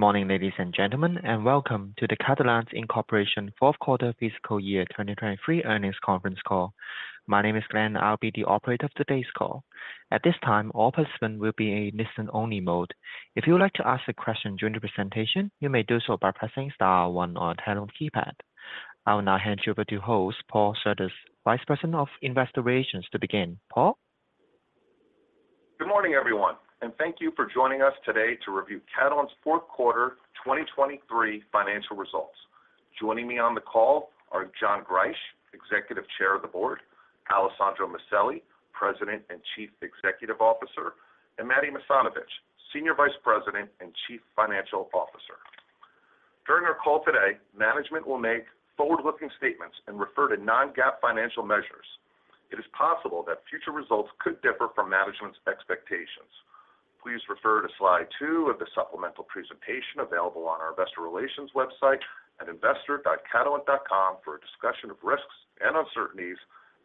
Good morning, ladies and gentlemen, and welcome to the Catalent Inc. Fourth Quarter Fiscal Year 2023 Earnings Conference Call. My name is Glenn. I'll be the operator of today's call. At this time, all participants will be in listen-only mode. If you would like to ask a question during the presentation, you may do so by pressing star one on your telephone keypad. I will now hand you over to host, Paul Surdez, Vice President of Investor Relations, to begin. Paul? Good morning, everyone, and thank you for joining us today to review Catalent's Fourth Quarter 2023 Financial Results. Joining me on the call are John Greisch, Executive Chair of the Board, Alessandro Maselli, President and Chief Executive Officer, and Matti Masanovich, Senior Vice President and Chief Financial Officer. During our call today, management will make forward-looking statements and refer to non-GAAP financial measures. It is possible that future results could differ from management's expectations. Please refer to slide two of the supplemental presentation available on our investor relations website at investor.catalent.com for a discussion of risks and uncertainties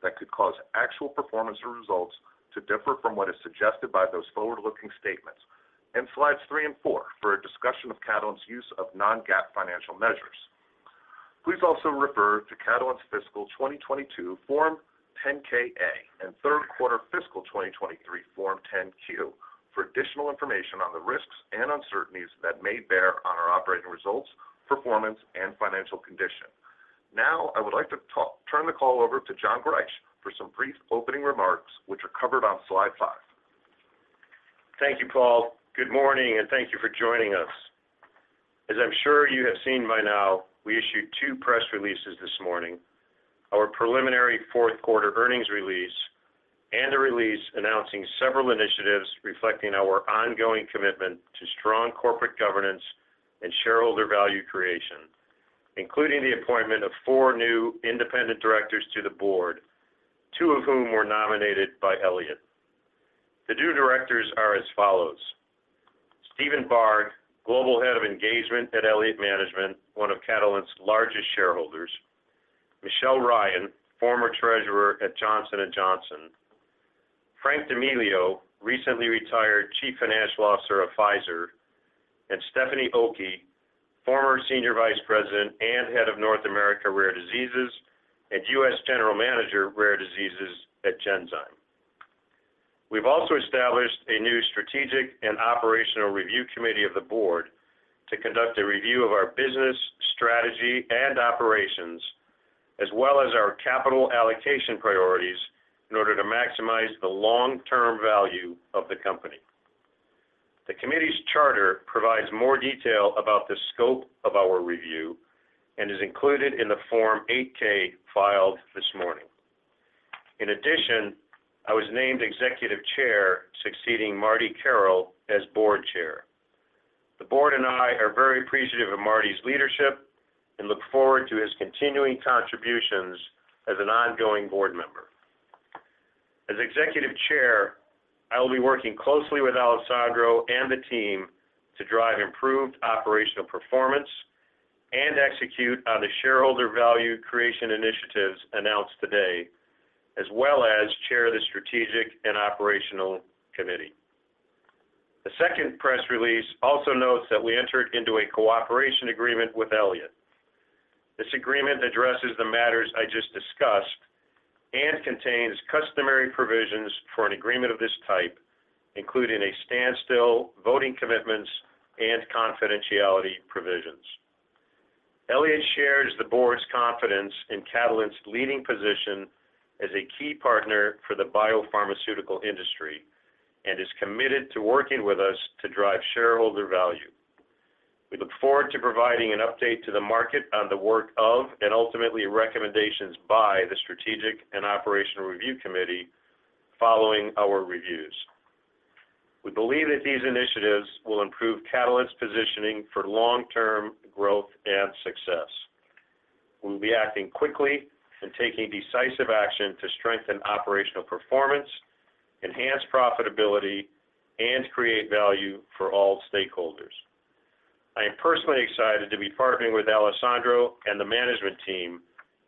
that could cause actual performance or results to differ from what is suggested by those forward-looking statements, and slides three and four for a discussion of Catalent's use of non-GAAP financial measures. Please also refer to Catalent's fiscal 2022 Form 10-K/A and third quarter fiscal 2023 Form 10-Q for additional information on the risks and uncertainties that may bear on our operating results, performance, and financial condition. Now, I would like to turn the call over to John Greisch for some brief opening remarks, which are covered on slide five. Thank you, Paul. Good morning, and thank you for joining us. As I'm sure you have seen by now, we issued two press releases this morning, our preliminary fourth quarter earnings release and a release announcing several initiatives reflecting our ongoing commitment to strong corporate governance and shareholder value creation, including the appointment of four new independent directors to the board, two of whom were nominated by Elliott. The new directors are as follows: Steven Barg, Global Head of Engagement at Elliott Management, one of Catalent's largest shareholders; Michelle Ryan, former Treasurer at Johnson & Johnson; Frank D'Amelio, recently retired Chief Financial Officer of Pfizer; and Stephanie Okey, former Senior Vice President and Head of North America Rare Diseases and U.S. General Manager, Rare Diseases at Genzyme. We've also established a new strategic and operational review committee of the board to conduct a review of our business, strategy, and operations, as well as our capital allocation priorities in order to maximize the long-term value of the company. The committee's charter provides more detail about the scope of our review and is included in the Form 8-K filed this morning. In addition, I was named Executive Chair, succeeding Marty Carroll as Board Chair. The board and I are very appreciative of Marty's leadership and look forward to his continuing contributions as an ongoing board member. As Executive Chair, I will be working closely with Alessandro and the team to drive improved operational performance and execute on the shareholder value creation initiatives announced today, as well as chair the Strategic and Operational Committee. The second press release also notes that we entered into a cooperation agreement with Elliott. This agreement addresses the matters I just discussed and contains customary provisions for an agreement of this type, including a standstill, voting commitments, and confidentiality provisions. Elliott shares the board's confidence in Catalent's leading position as a key partner for the biopharmaceutical industry and is committed to working with us to drive shareholder value. We look forward to providing an update to the market on the work of, and ultimately, recommendations by the Strategic and Operational Review Committee following our reviews. We believe that these initiatives will improve Catalent's positioning for long-term growth and success. We'll be acting quickly and taking decisive action to strengthen operational performance, enhance profitability, and create value for all stakeholders. I am personally excited to be partnering with Alessandro and the management team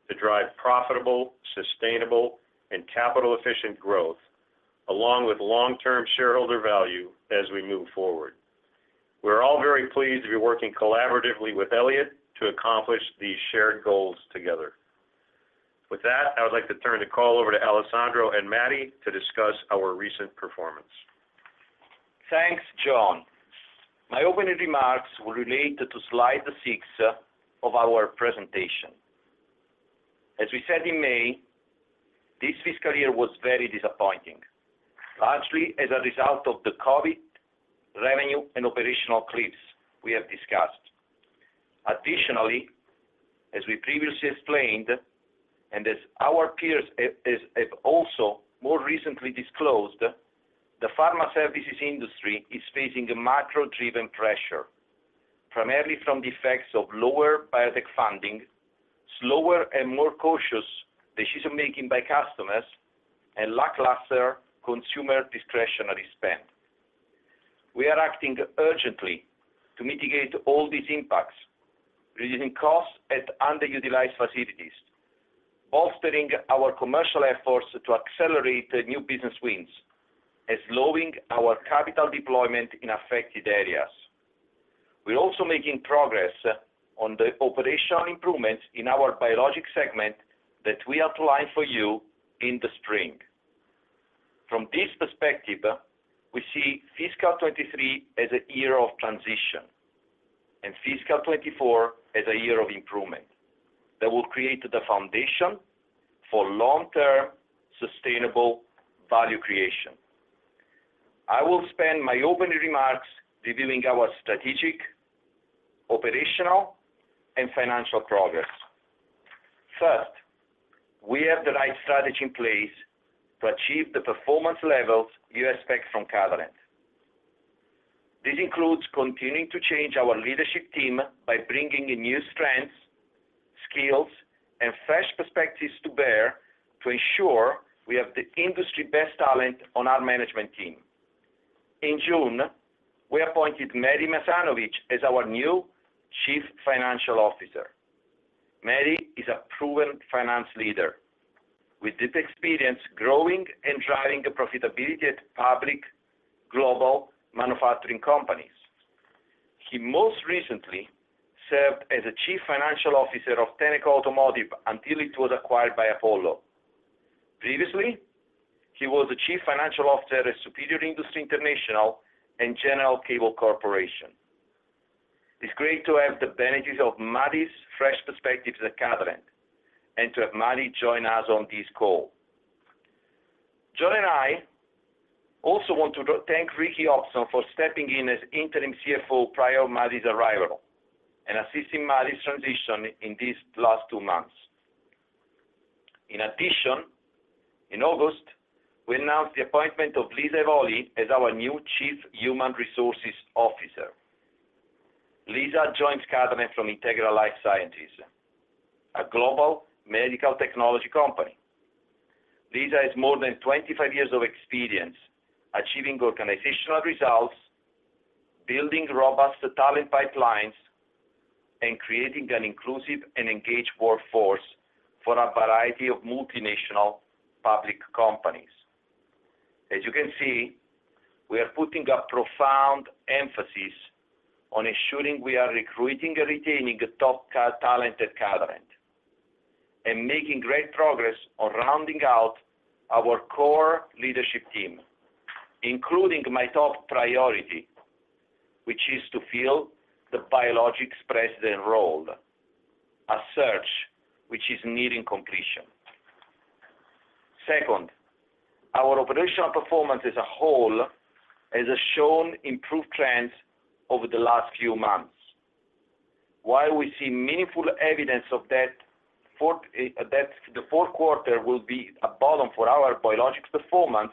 to drive profitable, sustainable, and capital-efficient growth, along with long-term shareholder value as we move forward. We're all very pleased to be working collaboratively with Elliott to accomplish these shared goals together. With that, I would like to turn the call over to Alessandro and Matti to discuss our recent performance. Thanks, John. My opening remarks will relate to slide six of our presentation. As we said in May, this fiscal year was very disappointing, largely as a result of the COVID revenue and operational cliffs we have discussed. Additionally, as we previously explained, and as our peers have also more recently disclosed, the pharma services industry is facing a macro-driven pressure, primarily from the effects of lower biotech funding, slower and more cautious decision-making by customers, and lackluster consumer discretionary spend. We are acting urgently to mitigate all these impacts, reducing costs at underutilized facilities... bolstering our commercial efforts to accelerate the new business wins and slowing our capital deployment in affected areas. We're also making progress on the operational improvements in our biologic segment that we outlined for you in the spring. From this perspective, we see fiscal 2023 as a year of transition, and fiscal 2024 as a year of improvement that will create the foundation for long-term sustainable value creation. I will spend my opening remarks reviewing our strategic, operational, and financial progress. First, we have the right strategy in place to achieve the performance levels you expect from Catalent. This includes continuing to change our leadership team by bringing in new strengths, skills, and fresh perspectives to bear to ensure we have the industry best talent on our management team. In June, we appointed Matti Masanovich as our new Chief Financial Officer. Matti is a proven finance leader with deep experience growing and driving the profitability at public global manufacturing companies. He most recently served as the Chief Financial Officer of Tenneco Automotive until it was acquired by Apollo. Previously, he was the Chief Financial Officer at Superior Industries International and General Cable Corporation. It's great to have the benefits of Matti's fresh perspective at Catalent, and to have Matti join us on this call. John and I also want to thank Ricky Hopson for stepping in as interim CFO prior to Matti's arrival, and assisting Matti's transition in these last two months. In addition, in August, we announced the appointment of Lisa Evoli as our new Chief Human Resources Officer. Lisa joins Catalent from Integra LifeSciences, a global medical technology company. Lisa has more than 25 years of experience achieving organizational results, building robust talent pipelines, and creating an inclusive and engaged workforce for a variety of multinational public companies. As you can see, we are putting a profound emphasis on ensuring we are recruiting and retaining top caliber talent at Catalent, and making great progress on rounding out our core leadership team, including my top priority, which is to fill the Biologics president role, a search which is nearing completion. Second, our operational performance as a whole has shown improved trends over the last few months. While we see meaningful evidence that the fourth quarter will be a bottom for our Biologics performance,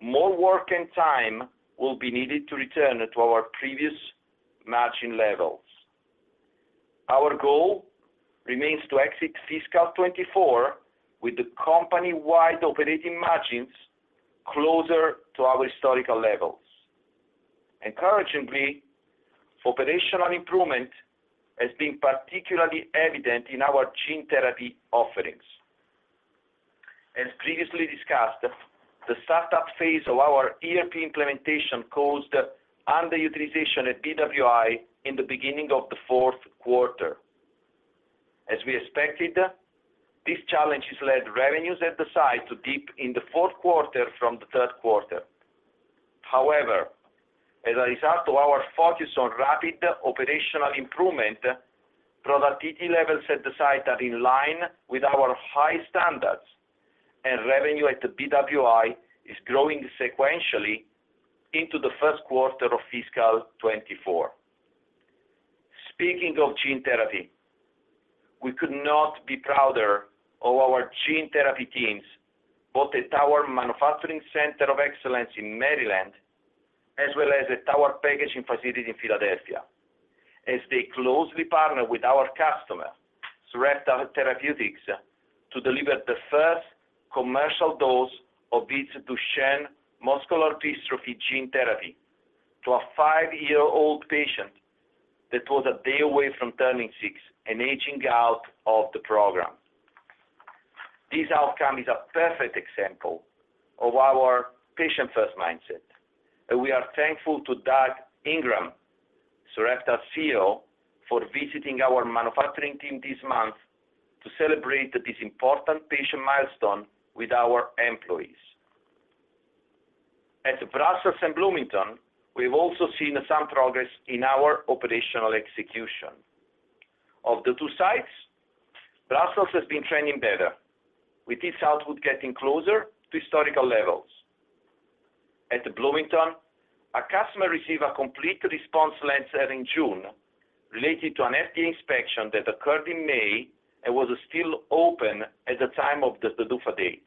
more work and time will be needed to return to our previous matching levels. Our goal remains to exit fiscal 2024 with the company-wide operating margins closer to our historical levels. Encouragingly, operational improvement has been particularly evident in our gene therapy offerings. As previously discussed, the startup phase of our ERP implementation caused underutilization at BWI in the beginning of the fourth quarter. As we expected, these challenges led revenues at the site to dip in the fourth quarter from the third quarter. However, as a result of our focus on rapid operational improvement, productivity levels at the site are in line with our high standards, and revenue at the BWI is growing sequentially into the first quarter of fiscal 2024. Speaking of gene therapy, we could not be prouder of our gene therapy teams, both at our manufacturing center of excellence in Maryland, as well as at our packaging facility in Philadelphia, as they closely partner with our customer, Sarepta Therapeutics, to deliver the first commercial dose of its Duchenne muscular dystrophy gene therapy to a five-year-old patient that was a day away from turning six and aging out of the program. This outcome is a perfect example of our patient-first mindset, and we are thankful to Doug Ingram, Sarepta's CEO, for visiting our manufacturing team this month to celebrate this important patient milestone with our employees. At Brussels and Bloomington, we've also seen some progress in our operational execution. Of the two sites, Brussels has been trending better, with this output getting closer to historical levels. At Bloomington, a customer received a Complete Response Letter in June related to an FDA inspection that occurred in May and was still open at the time of the PDUFA date.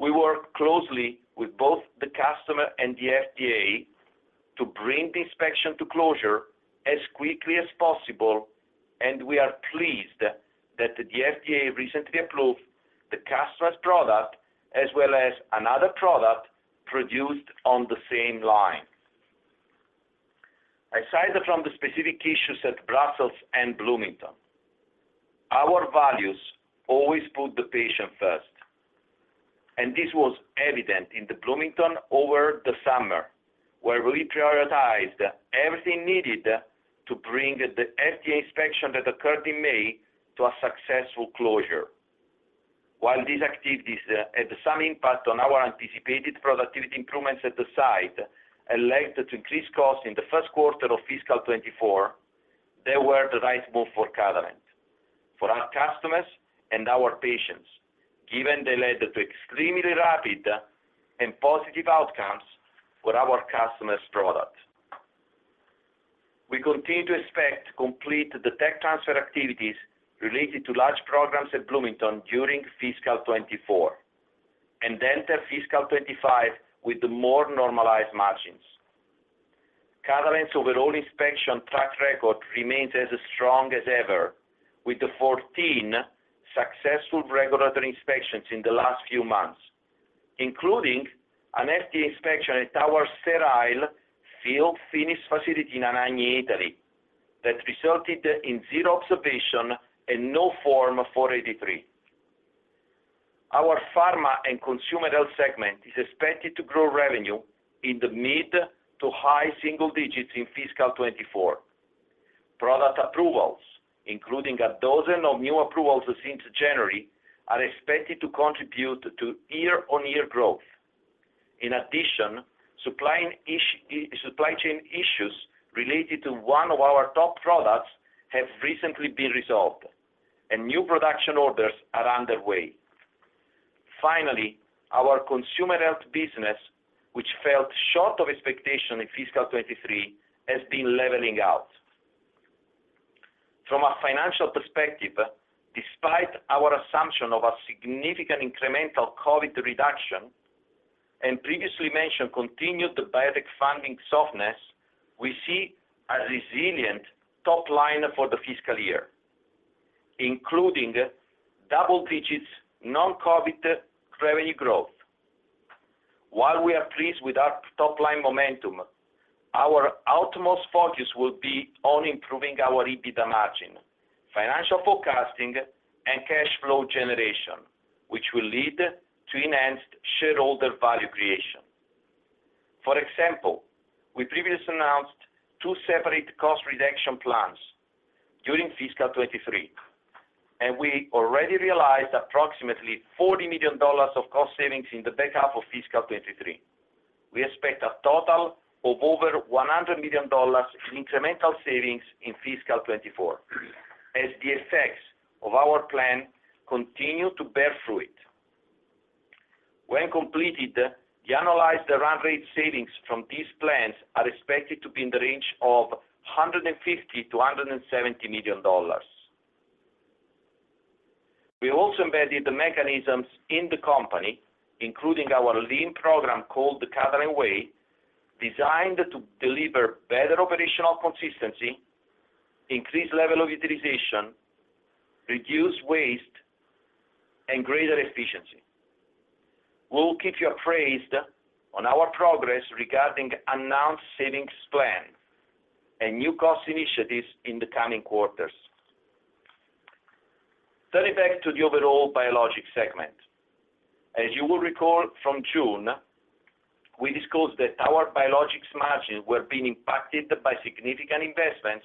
We worked closely with both the customer and the FDA to bring the inspection to closure as quickly as possible, and we are pleased that the FDA recently approved-... as well as another product produced on the same line. Aside from the specific issues at Brussels and Bloomington, our values always put the patient first, and this was evident in the Bloomington over the summer, where we prioritized everything needed to bring the FDA inspection that occurred in May to a successful closure. While these activities had some impact on our anticipated productivity improvements at the site and led to increased costs in the first quarter of fiscal 2024, they were the right move for Catalent, for our customers, and our patients, given they led to extremely rapid and positive outcomes for our customers' products. We continue to expect to complete the tech transfer activities related to large programs at Bloomington during fiscal 2024, and then enter fiscal 2025 with the more normalized margins. Catalent's overall inspection track record remains as strong as ever, with the 14 successful regulatory inspections in the last few months, including an FDA inspection at our sterile fill finish facility in Anagni, Italy, that resulted in zero observation and no Form 483. Our pharma and consumer health segment is expected to grow revenue in the mid- to high-single digits in fiscal 2024. Product approvals, including 12 new approvals since January, are expected to contribute to year-on-year growth. In addition, supply chain issues related to one of our top products have recently been resolved, and new production orders are underway. Finally, our consumer health business, which fell short of expectation in fiscal 2023, has been leveling out. From a financial perspective, despite our assumption of a significant incremental COVID reduction and previously mentioned continued biotech funding softness, we see a resilient top line for the fiscal year, including double digits non-COVID revenue growth. While we are pleased with our top-line momentum, our utmost focus will be on improving our EBITDA margin, financial forecasting, and cash flow generation, which will lead to enhanced shareholder value creation. For example, we previously announced two separate cost reduction plans during fiscal 2023, and we already realized approximately $40 million of cost savings in the back half of fiscal 2023. We expect a total of over $100 million in incremental savings in fiscal 2024, as the effects of our plan continue to bear fruit. When completed, the annualized run rate savings from these plans are expected to be in the range of $150 million-$170 million. We also embedded the mechanisms in the company, including our lean program, called The Catalent Way, designed to deliver better operational consistency, increase level of utilization, reduce waste, and greater efficiency. We will keep you appraised on our progress regarding announced savings plan and new cost initiatives in the coming quarters. Turning back to the overall Biologics segment. As you will recall from June, we discussed that our Biologics margins were being impacted by significant investments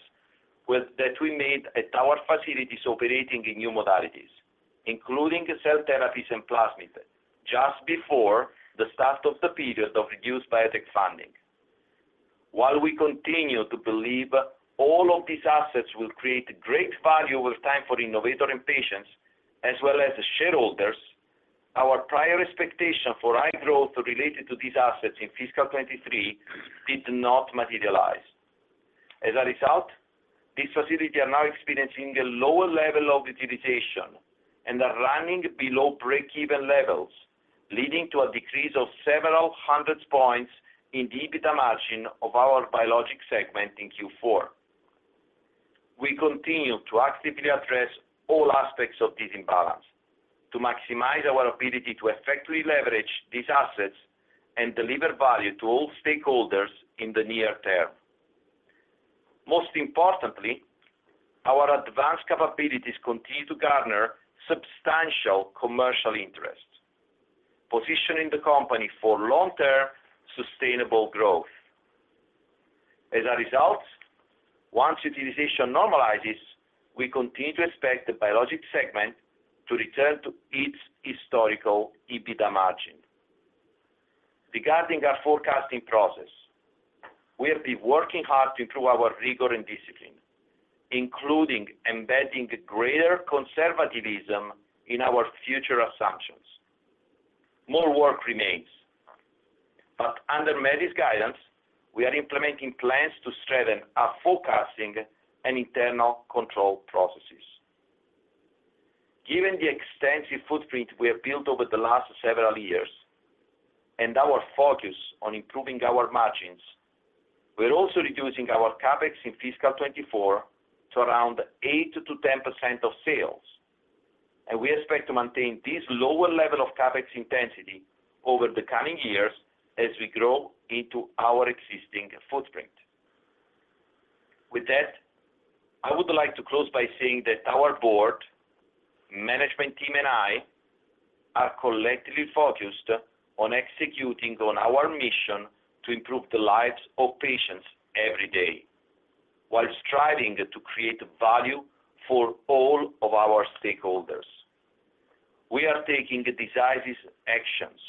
that we made at our facilities operating in new modalities, including cell therapies and plasmids, just before the start of the period of reduced biotech funding. While we continue to believe all of these assets will create great value over time for innovators and patients, as well as shareholders, our prior expectation for high growth related to these assets in fiscal 2023 did not materialize. As a result, these facilities are now experiencing a lower level of utilization and are running below breakeven levels, leading to a decrease of several hundred points in the EBITDA margin of our Biologics segment in Q4. We continue to actively address all aspects of this imbalance to maximize our ability to effectively leverage these assets and deliver value to all stakeholders in the near term. Most importantly, our advanced capabilities continue to garner substantial commercial interest, positioning the company for long-term sustainable growth. As a result, once utilization normalizes, we continue to expect the Biologics segment to return to its historical EBITDA margin. Regarding our forecasting process, we have been working hard to improve our rigor and discipline, including embedding greater conservatism in our future assumptions. More work remains, but under Matti's guidance, we are implementing plans to strengthen our forecasting and internal control processes. Given the extensive footprint we have built over the last several years and our focus on improving our margins, we're also reducing our CapEx in fiscal 2024 to around 8%-10% of sales. We expect to maintain this lower level of CapEx intensity over the coming years as we grow into our existing footprint. With that, I would like to close by saying that our board, management team, and I are collectively focused on executing on our mission to improve the lives of patients every day, while striving to create value for all of our stakeholders. We are taking decisive actions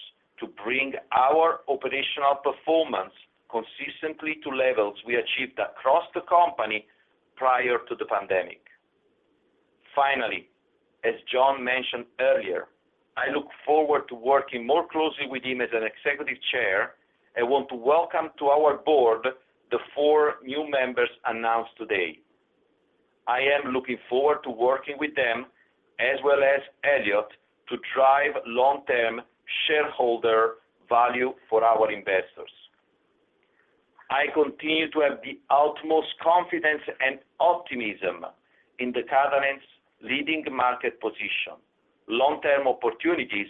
to bring our operational performance consistently to levels we achieved across the company prior to the pandemic. Finally, as John mentioned earlier, I look forward to working more closely with him as an executive chair, and want to welcome to our board the four new members announced today. I am looking forward to working with them, as well as Elliott, to drive long-term shareholder value for our investors. I continue to have the utmost confidence and optimism in Catalent's leading market position, long-term opportunities,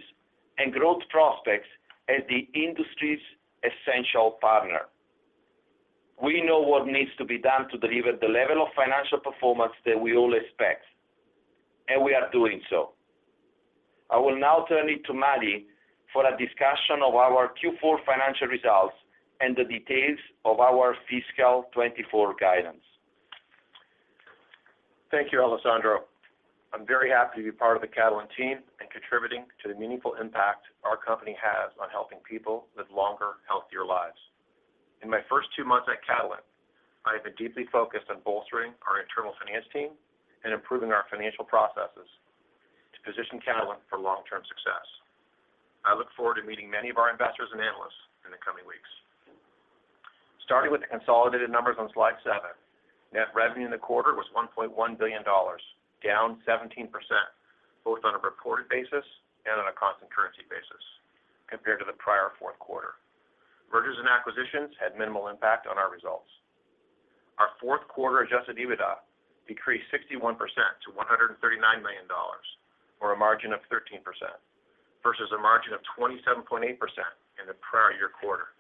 and growth prospects as the industry's essential partner. We know what needs to be done to deliver the level of financial performance that we all expect, and we are doing so. I will now turn it to Matti for a discussion of our Q4 financial results and the details of our fiscal 2024 guidance. Thank you, Alessandro. I'm very happy to be part of the Catalent team and contributing to the meaningful impact our company has on helping people live longer, healthier lives. In my first two months at Catalent, I have been deeply focused on bolstering our internal finance team and improving our financial processes to position Catalent for long-term success. I look forward to meeting many of our investors and analysts in the coming weeks. Starting with the consolidated numbers on slide seven, net revenue in the quarter was $1.1 billion, down 17%, both on a reported basis and on a constant currency basis compared to the prior fourth quarter. Mergers and acquisitions had minimal impact on our results. Our fourth quarter Adjusted EBITDA decreased 61% to $139 million, or a margin of 13%, versus a margin of 27.8% in the prior year quarter.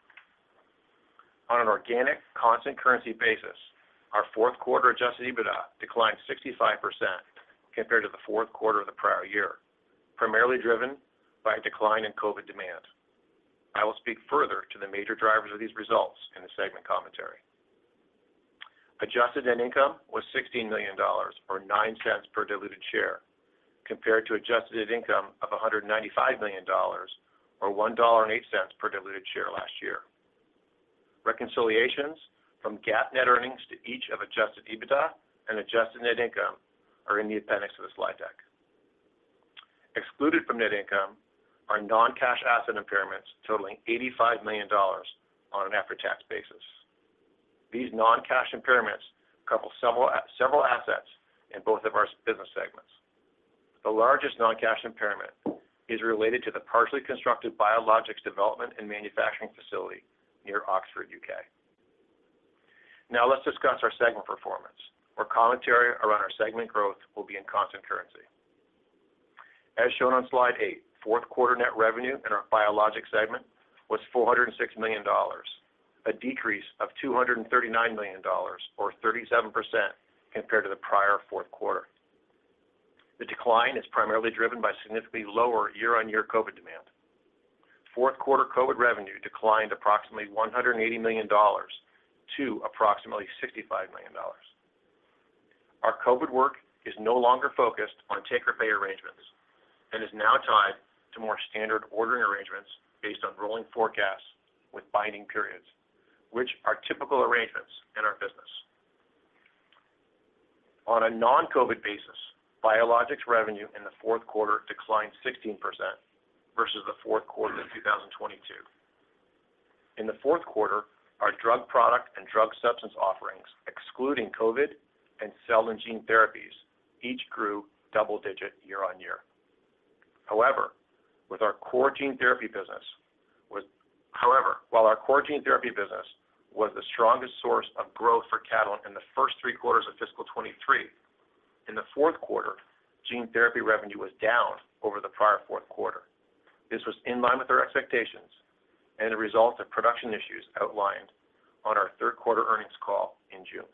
On an organic constant currency basis, our fourth quarter Adjusted EBITDA declined 65% compared to the fourth quarter of the prior year, primarily driven by a decline in COVID demand. I will speak further to the major drivers of these results in the segment commentary. Adjusted Net Income was $16 million, or $0.09 per diluted share, compared to adjusted income of $195 million or $1.08 per diluted share last year. Reconciliations from GAAP net earnings to each of Adjusted EBITDA and Adjusted Net Income are in the appendix of the slide deck. Excluded from net income are non-cash asset impairments totaling $85 million on an after-tax basis. These non-cash impairments couple several assets in both of our business segments. The largest non-cash impairment is related to the partially constructed Biologics development and manufacturing facility near Oxford, U.K. Now, let's discuss our segment performance, where commentary around our segment growth will be in constant currency. As shown on slide eight, fourth quarter net revenue in our Biologics segment was $406 million, a decrease of $239 million, or 37% compared to the prior fourth quarter. The decline is primarily driven by significantly lower year-on-year COVID demand. Fourth quarter COVID revenue declined approximately $180 million to approximately $65 million. Our COVID work is no longer focused on take or pay arrangements, and is now tied to more standard ordering arrangements based on rolling forecasts with binding periods, which are typical arrangements in our business. On a non-COVID basis, Biologics revenue in the fourth quarter declined 16% versus the fourth quarter of 2022. In the fourth quarter, our drug product and drug substance offerings, excluding COVID and cell and gene therapies, each grew double-digit year on year. However, while our core gene therapy business was the strongest source of growth for Catalent in the first three quarters of fiscal 2023, in the fourth quarter, gene therapy revenue was down over the prior fourth quarter. This was in line with our expectations and a result of production issues outlined on our third quarter earnings call in June.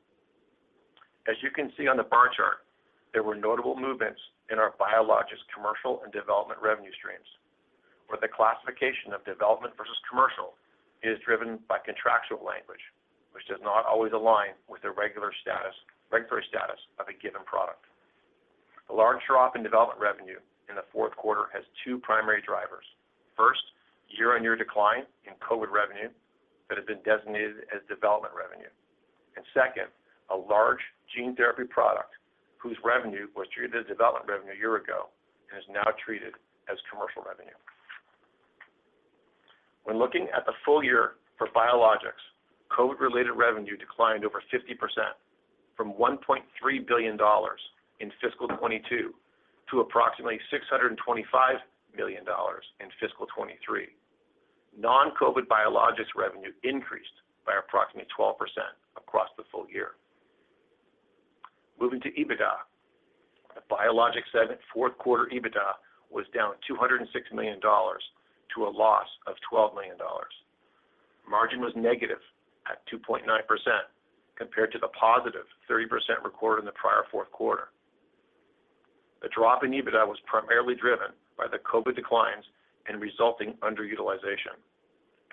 As you can see on the bar chart, there were notable movements in our Biologics, commercial and development revenue streams, where the classification of development versus commercial is driven by contractual language, which does not always align with the regular status-regulatory status of a given product. The large drop in development revenue in the fourth quarter has two primary drivers. First, year-on-year decline in COVID revenue that has been designated as development revenue. And second, a large gene therapy product whose revenue was treated as development revenue a year ago and is now treated as commercial revenue. When looking at the full year for Biologics, COVID-related revenue declined over 50%... from $1.3 billion in fiscal 2022 to approximately $625 million in fiscal 2023. Non-COVID Biologics revenue increased by approximately 12% across the full year. Moving to EBITDA, the Biologics segment fourth quarter EBITDA was down $206 million to a loss of $12 million. Margin was negative at 2.9% compared to the positive 30% recorded in the prior fourth quarter. The drop in EBITDA was primarily driven by the COVID declines and resulting underutilization,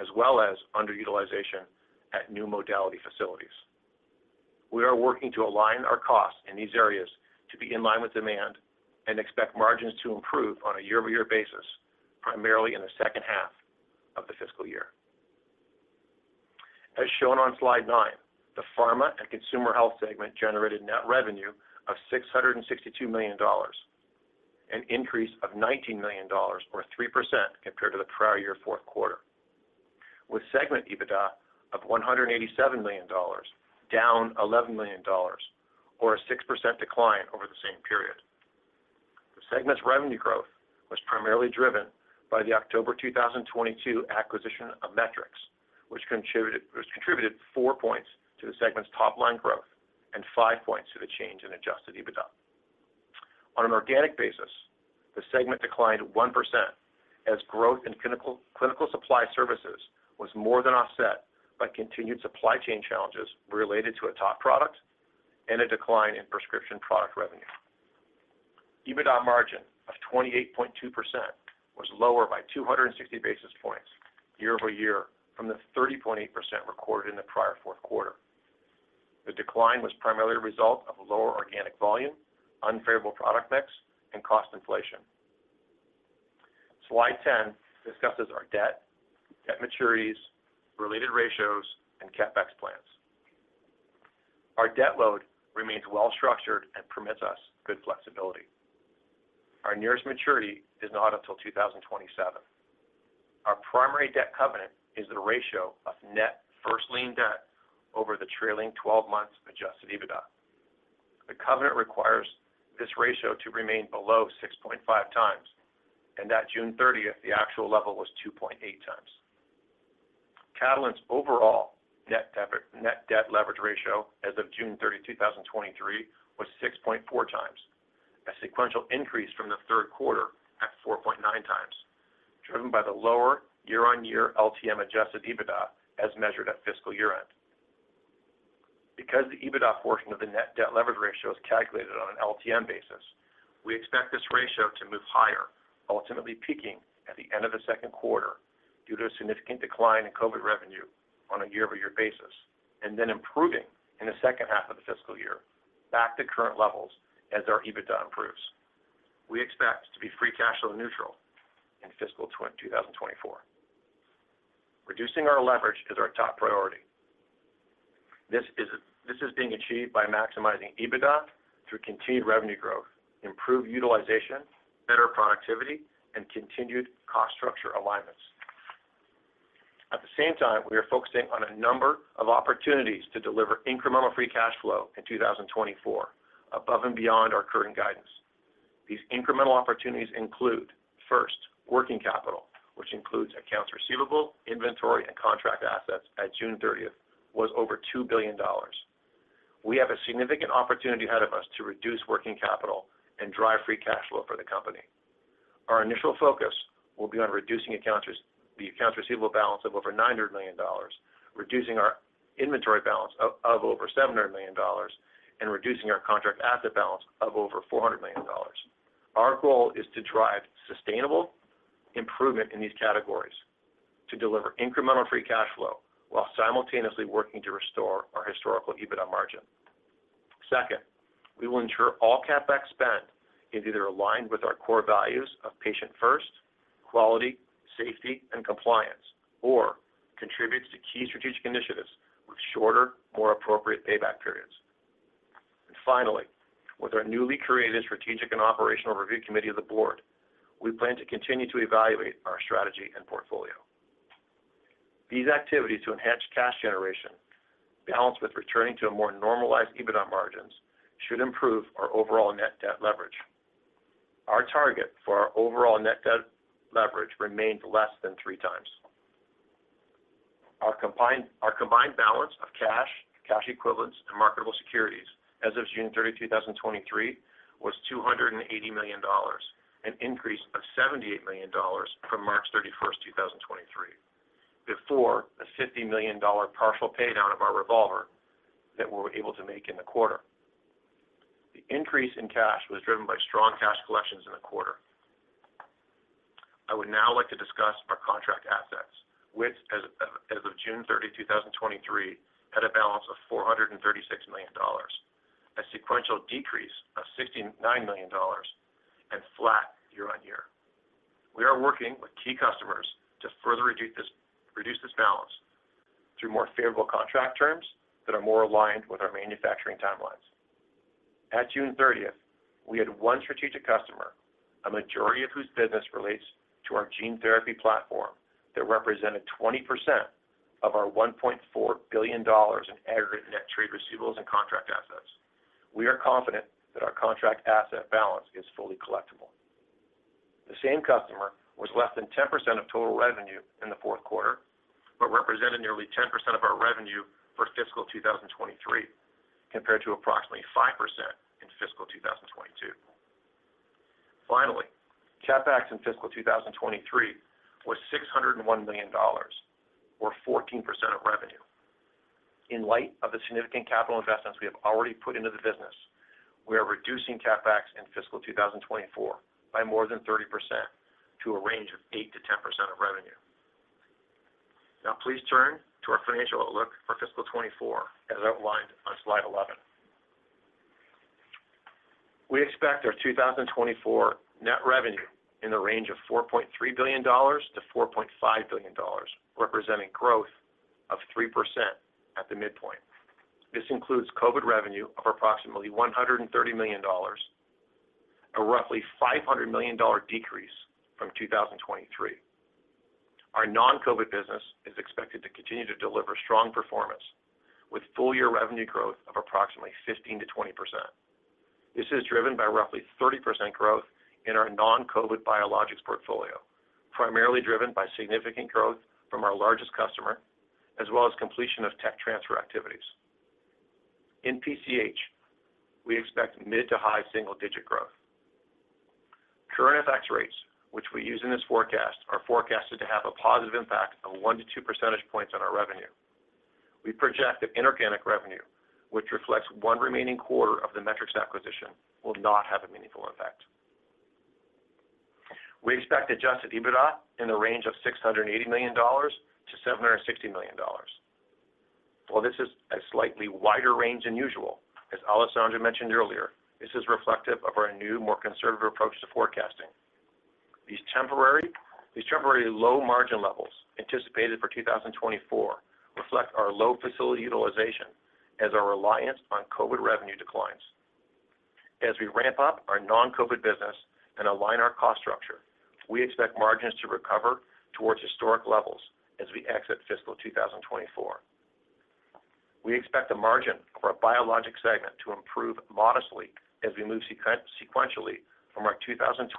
as well as underutilization at new modality facilities. We are working to align our costs in these areas to be in line with demand and expect margins to improve on a year-over-year basis, primarily in the second half of the fiscal year. As shown on slide nine, the Pharma and Consumer Health segment generated net revenue of $662 million, an increase of $19 million or 3% compared to the prior year fourth quarter, with segment EBITDA of $187 million, down $11 million, or a 6% decline over the same period. The segment's revenue growth was primarily driven by the October 2022 acquisition of Metrics, which contributed 4 points to the segment's top-line growth and 5 points to the change in Adjusted EBITDA. On an organic basis, the segment declined 1% as growth in clinical supply services was more than offset by continued supply chain challenges related to a top product and a decline in prescription product revenue. EBITDA margin of 28.2% was lower by 260 basis points year-over-year from the 30.8% recorded in the prior fourth quarter. The decline was primarily a result of lower organic volume, unfavorable product mix, and cost inflation. Slide 10 discusses our debt, debt maturities, related ratios, and CapEx plans. Our debt load remains well structured and permits us good flexibility. Our nearest maturity is not until 2027. Our primary debt covenant is the ratio of net first lien debt over the trailing twelve months Adjusted EBITDA. The covenant requires this ratio to remain below 6.5x, and at June 30th, the actual level was 2.8x. Catalent's overall net debt leverage ratio as of June 30, 2023, was 6.4x, a sequential increase from the third quarter at 4.9x, driven by the lower year-over-year LTM Adjusted EBITDA as measured at fiscal year-end. Because the EBITDA portion of the net debt leverage ratio is calculated on an LTM basis, we expect this ratio to move higher, ultimately peaking at the end of the second quarter due to a significant decline in COVID revenue on a year-over-year basis, and then improving in the second half of the fiscal year back to current levels as our EBITDA improves. We expect to be free cash flow neutral in fiscal 2024. Reducing our leverage is our top priority. This is, this is being achieved by maximizing EBITDA through continued revenue growth, improved utilization, better productivity, and continued cost structure alignments. At the same time, we are focusing on a number of opportunities to deliver incremental free cash flow in 2024, above and beyond our current guidance. These incremental opportunities include, first, working capital, which includes accounts receivable, inventory, and contract assets at June 30th was over $2 billion. We have a significant opportunity ahead of us to reduce working capital and drive free cash flow for the company. Our initial focus will be on reducing the accounts receivable balance of over $900 million, reducing our inventory balance of over $700 million, and reducing our contract asset balance of over $400 million. Our goal is to drive sustainable improvement in these categories, to deliver incremental free cash flow while simultaneously working to restore our historical EBITDA margin. Second, we will ensure all CapEx spend is either aligned with our core values of patient first, quality, safety, and compliance, or contributes to key strategic initiatives with shorter, more appropriate payback periods. Finally, with our newly created Strategic and Operational Review Committee of the Board, we plan to continue to evaluate our strategy and portfolio. These activities to enhance cash generation, balanced with returning to a more normalized EBITDA margins, should improve our overall net debt leverage. Our target for our overall net debt leverage remains less than 3x. Our combined balance of cash, cash equivalents, and marketable securities as of June 30, 2023, was $280 million, an increase of $78 million from March 31st, 2023, before a $50 million partial pay down of our revolver that we were able to make in the quarter. The increase in cash was driven by strong cash collections in the quarter. I would now like to discuss our contract assets, which as of June 30, 2023, had a balance of $436 million, a sequential decrease of $69 million and flat year on year. We are working with key customers to further reduce this balance through more favorable contract terms that are more aligned with our manufacturing timelines.... At June 30th, we had one strategic customer, a majority of whose business relates to our gene therapy platform, that represented 20% of our $1.4 billion in aggregate net trade receivables and contract assets. We are confident that our contract asset balance is fully collectible. The same customer was less than 10% of total revenue in the fourth quarter, but represented nearly 10% of our revenue for fiscal 2023, compared to approximately 5% in fiscal 2022. Finally, CapEx in fiscal 2023 was $601 million, or 14% of revenue. In light of the significant capital investments we have already put into the business, we are reducing CapEx in fiscal 2024 by more than 30% to a range of 8%-10% of revenue. Now, please turn to our financial outlook for fiscal 2024, as outlined on slide 11. We expect our 2024 net revenue in the range of $4.3 billion-$4.5 billion, representing growth of 3% at the midpoint. This includes COVID revenue of approximately $130 million, a roughly $500 million decrease from 2023. Our non-COVID business is expected to continue to deliver strong performance with full year revenue growth of approximately 15%-20%. This is driven by roughly 30% growth in our non-COVID Biologics portfolio, primarily driven by significant growth from our largest customer, as well as completion of tech transfer activities. In PCH, we expect mid- to high single-digit growth. Current FX rates, which we use in this forecast, are forecasted to have a positive impact of 1 percentage point-2 percentage points on our revenue. We project that inorganic revenue, which reflects one remaining quarter of the Metrics acquisition, will not have a meaningful effect. We expect Adjusted EBITDA in the range of $680 million-$760 million. While this is a slightly wider range than usual, as Alessandro mentioned earlier, this is reflective of our new, more conservative approach to forecasting. These temporary low margin levels anticipated for 2024 reflect our low facility utilization as our reliance on COVID revenue declines. As we ramp up our non-COVID business and align our cost structure, we expect margins to recover towards historic levels as we exit fiscal 2024. We expect the margin of our Biologics segment to improve modestly as we move sequentially from our 2023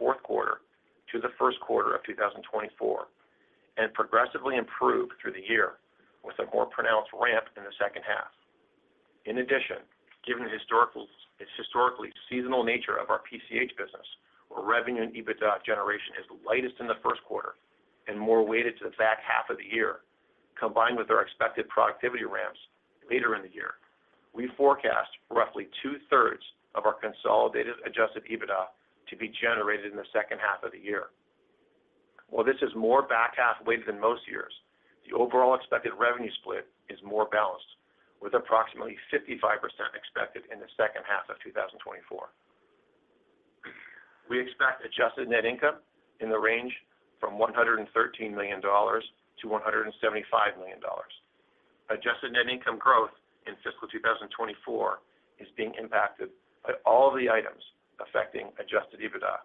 fourth quarter to the first quarter of 2024, and progressively improve through the year with a more pronounced ramp in the second half. In addition, given the historically seasonal nature of our PCH business, where revenue and EBITDA generation is lightest in the first quarter and more weighted to the back half of the year, combined with our expected productivity ramps later in the year, we forecast roughly two-thirds of our consolidated Adjusted EBITDA to be generated in the second half of the year. While this is more back-half weighted than most years, the overall expected revenue split is more balanced, with approximately 55% expected in the second half of 2024. We expect Adjusted Net Income in the range from $113 million- $175 million. Adjusted Net Income growth in fiscal 2024 is being impacted by all the items affecting Adjusted EBITDA,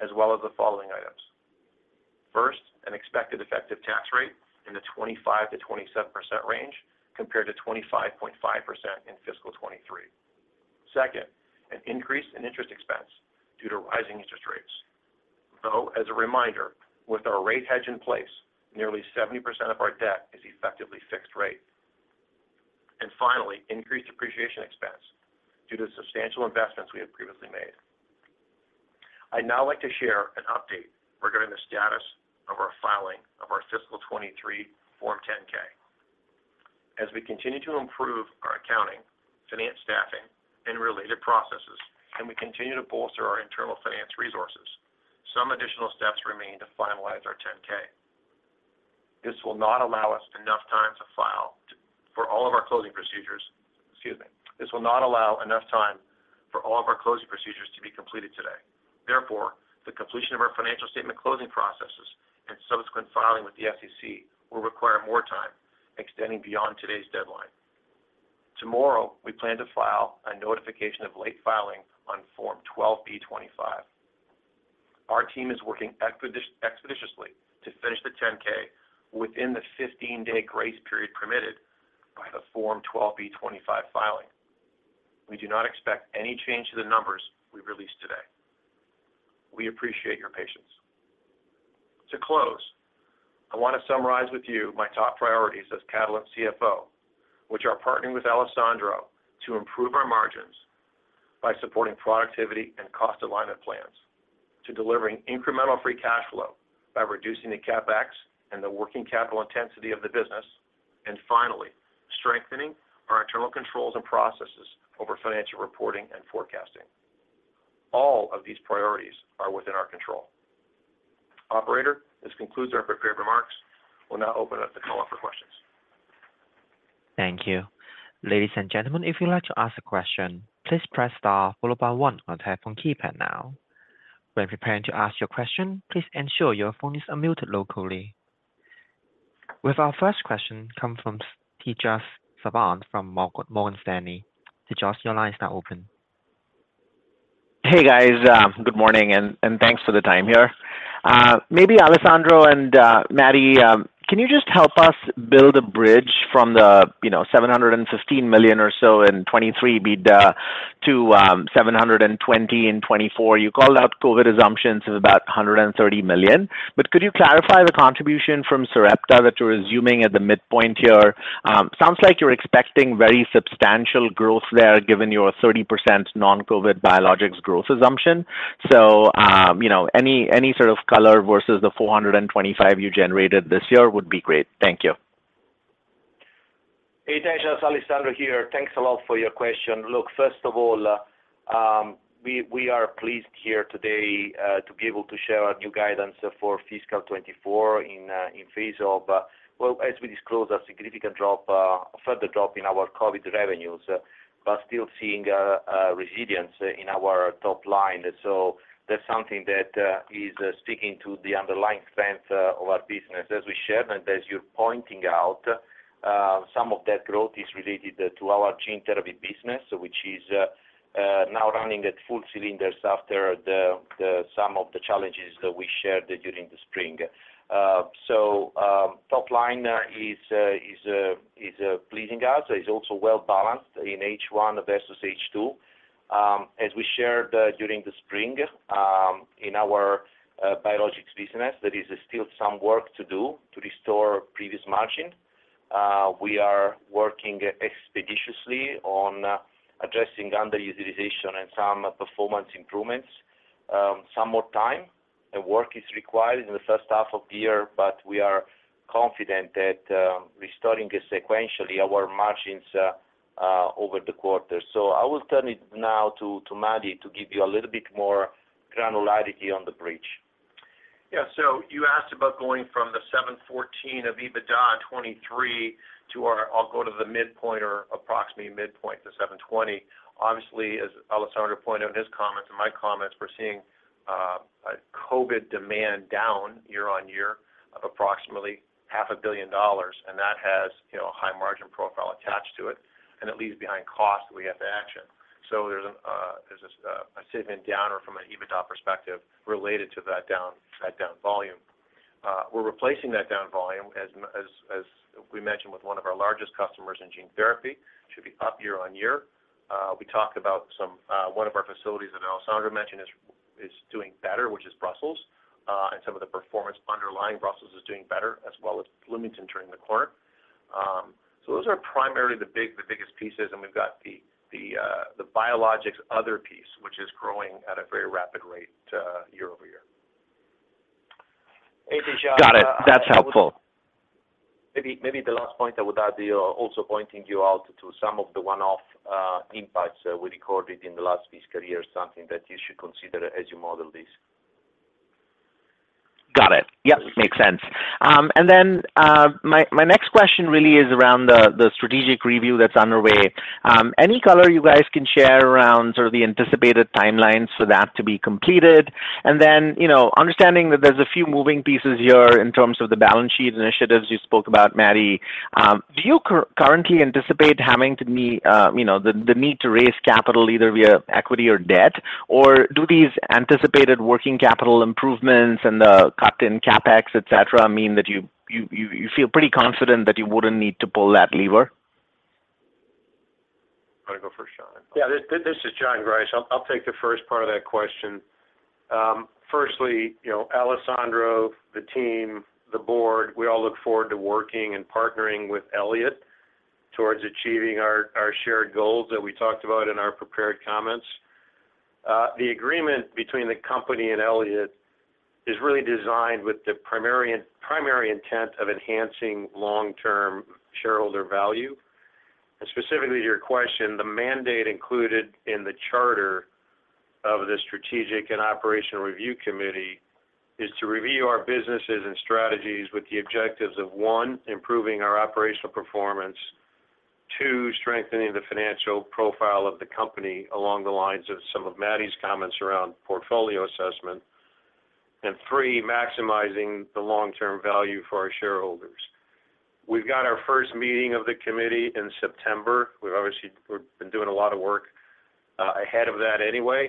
as well as the following items. First, an expected effective tax rate in the 25%-27% range, compared to 25.5% in fiscal 2023. Second, an increase in interest expense due to rising interest rates. Though, as a reminder, with our rate hedge in place, nearly 70% of our debt is effectively fixed rate. And finally, increased depreciation expense due to substantial investments we have previously made. I'd now like to share an update regarding the status of our filing of our fiscal 2023 Form 10-K. As we continue to improve our accounting, finance staffing, and related processes, and we continue to bolster our internal finance resources, some additional steps remain to finalize our 10-K. This will not allow us enough time for all of our closing procedures. Excuse me. This will not allow enough time for all of our closing procedures to be completed today. Therefore, the completion of our financial statement closing processes and subsequent filing with the SEC will require more time, extending beyond today's deadline. Tomorrow, we plan to file a notification of late filing on Form 12b-25. Our team is working expeditiously to finish the 10-K within the 15-day grace period permitted by the Form 12b-25 filing. We do not expect any change to the numbers we released today. We appreciate your patience. To close, I want to summarize with you my top priorities as Catalent CFO, which are partnering with Alessandro to improve our margins by supporting productivity and cost alignment plans, to delivering incremental free cash flow by reducing the CapEx and the working capital intensity of the business. And finally, strengthening our internal controls and processes over financial reporting and forecasting. All of these priorities are within our control. Operator, this concludes our prepared remarks. We'll now open up the call for questions. Thank you. Ladies and gentlemen, if you'd like to ask a question, please press star followed by one on your telephone keypad now. When preparing to ask your question, please ensure your phone is unmuted locally... With our first question, come from Tejas Savant from Morgan, Morgan Stanley. Tejas, your line is now open. Hey, guys. Good morning, and, and thanks for the time here. Maybe Alessandro and, Matti, can you just help us build a bridge from the, you know, $715 million or so in 2023 EBITDA to, $720 million in 2024? You called out COVID assumptions of about $130 million. But could you clarify the contribution from Sarepta that you're assuming at the midpoint here? Sounds like you're expecting very substantial growth there, given your 30% non-COVID Biologics growth assumption. So, you know, any sort of color versus the $425 million you generated this year would be great. Thank you. Hey, Tejas, Alessandro here. Thanks a lot for your question. Look, first of all, we are pleased here today to be able to share our new guidance for fiscal 2024 in phase of, well, as we disclose, a significant drop, a further drop in our COVID revenues, but still seeing a resilience in our top line. So that's something that is speaking to the underlying strength of our business. As we shared, and as you're pointing out, some of that growth is related to our gene therapy business, which is now running at full cylinders after some of the challenges that we shared during the spring. So top line is pleasing us. It's also well balanced in H1 versus H2. As we shared during the spring in our Biologics business, there is still some work to do to restore previous margin. We are working expeditiously on addressing underutilization and some performance improvements. Some more time and work is required in the first half of the year, but we are confident that restoring sequentially our margins over the quarter. I will turn it now to Matti to give you a little bit more granularity on the bridge. Yeah, so you asked about going from the $714 million of EBITDA in 2023 to our... I'll go to the midpoint or approximately midpoint, the $720. Obviously, as Alessandro pointed out in his comments and my comments, we're seeing a COVID demand down year-on-year of approximately $500 million, and that has, you know, a high margin profile attached to it, and it leaves behind costs that we have to action. So there's a significant downer from an EBITDA perspective related to that down volume. We're replacing that down volume, as we mentioned, with one of our largest customers in gene therapy, should be up year-on-year. We talked about some one of our facilities that Alessandro mentioned is doing better, which is Brussels, and some of the performance underlying Brussels is doing better, as well as Bloomington, during the quarter. So those are primarily the biggest pieces, and we've got the Biologics other piece, which is growing at a very rapid rate, year-over-year. Hey, Tejas- Got it. That's helpful. Maybe, maybe the last point I would add here, also pointing you out to some of the one-off impacts that we recorded in the last fiscal year, something that you should consider as you model this. Got it. Yep, makes sense. And then my next question really is around the strategic review that's underway. Any color you guys can share around sort of the anticipated timelines for that to be completed? And then, you know, understanding that there's a few moving pieces here in terms of the balance sheet initiatives you spoke about, Matti, do you currently anticipate having to meet, you know, the need to raise capital either via equity or debt? Or do these anticipated working capital improvements and the cut in CapEx, et cetera, mean that you feel pretty confident that you wouldn't need to pull that lever? Wanna go first, John? Yeah, this, this is John Greisch. I'll, I'll take the first part of that question. Firstly, you know, Alessandro, the team, the board, we all look forward to working and partnering with Elliott towards achieving our, our shared goals that we talked about in our prepared comments. The agreement between the company and Elliott is really designed with the primary intent of enhancing long-term shareholder value. And specifically, to your question, the mandate included in the charter of the Strategic and Operational Review Committee is to review our businesses and strategies with the objectives of, one, improving our operational performance, two, strengthening the financial profile of the company along the lines of some of Matti's comments around portfolio assessment, and three, maximizing the long-term value for our shareholders. We've got our first meeting of the committee in September. We've obviously we've been doing a lot of work ahead of that anyway,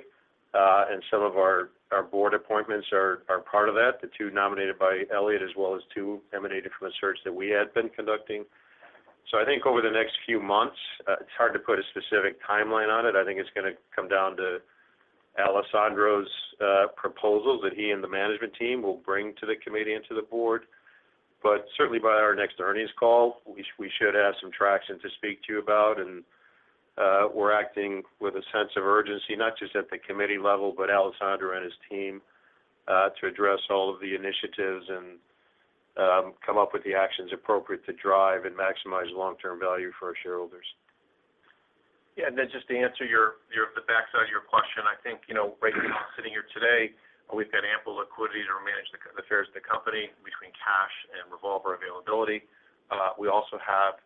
and some of our our board appointments are are part of that, the two nominated by Elliott, as well as two emanated from a search that we had been conducting. So I think over the next few months, it's hard to put a specific timeline on it. I think it's gonna come down to Alessandro's proposals that he and the management team will bring to the committee and to the board. But certainly by our next earnings call, we we should have some traction to speak to you about. And we're acting with a sense of urgency, not just at the committee level, but Alessandro and his team to address all of the initiatives and come up with the actions appropriate to drive and maximize long-term value for our shareholders. Yeah, and then just to answer your the backside of your question, I think, you know, right, sitting here today, we've got ample liquidity to manage the affairs of the company between cash and revolver availability. We also have...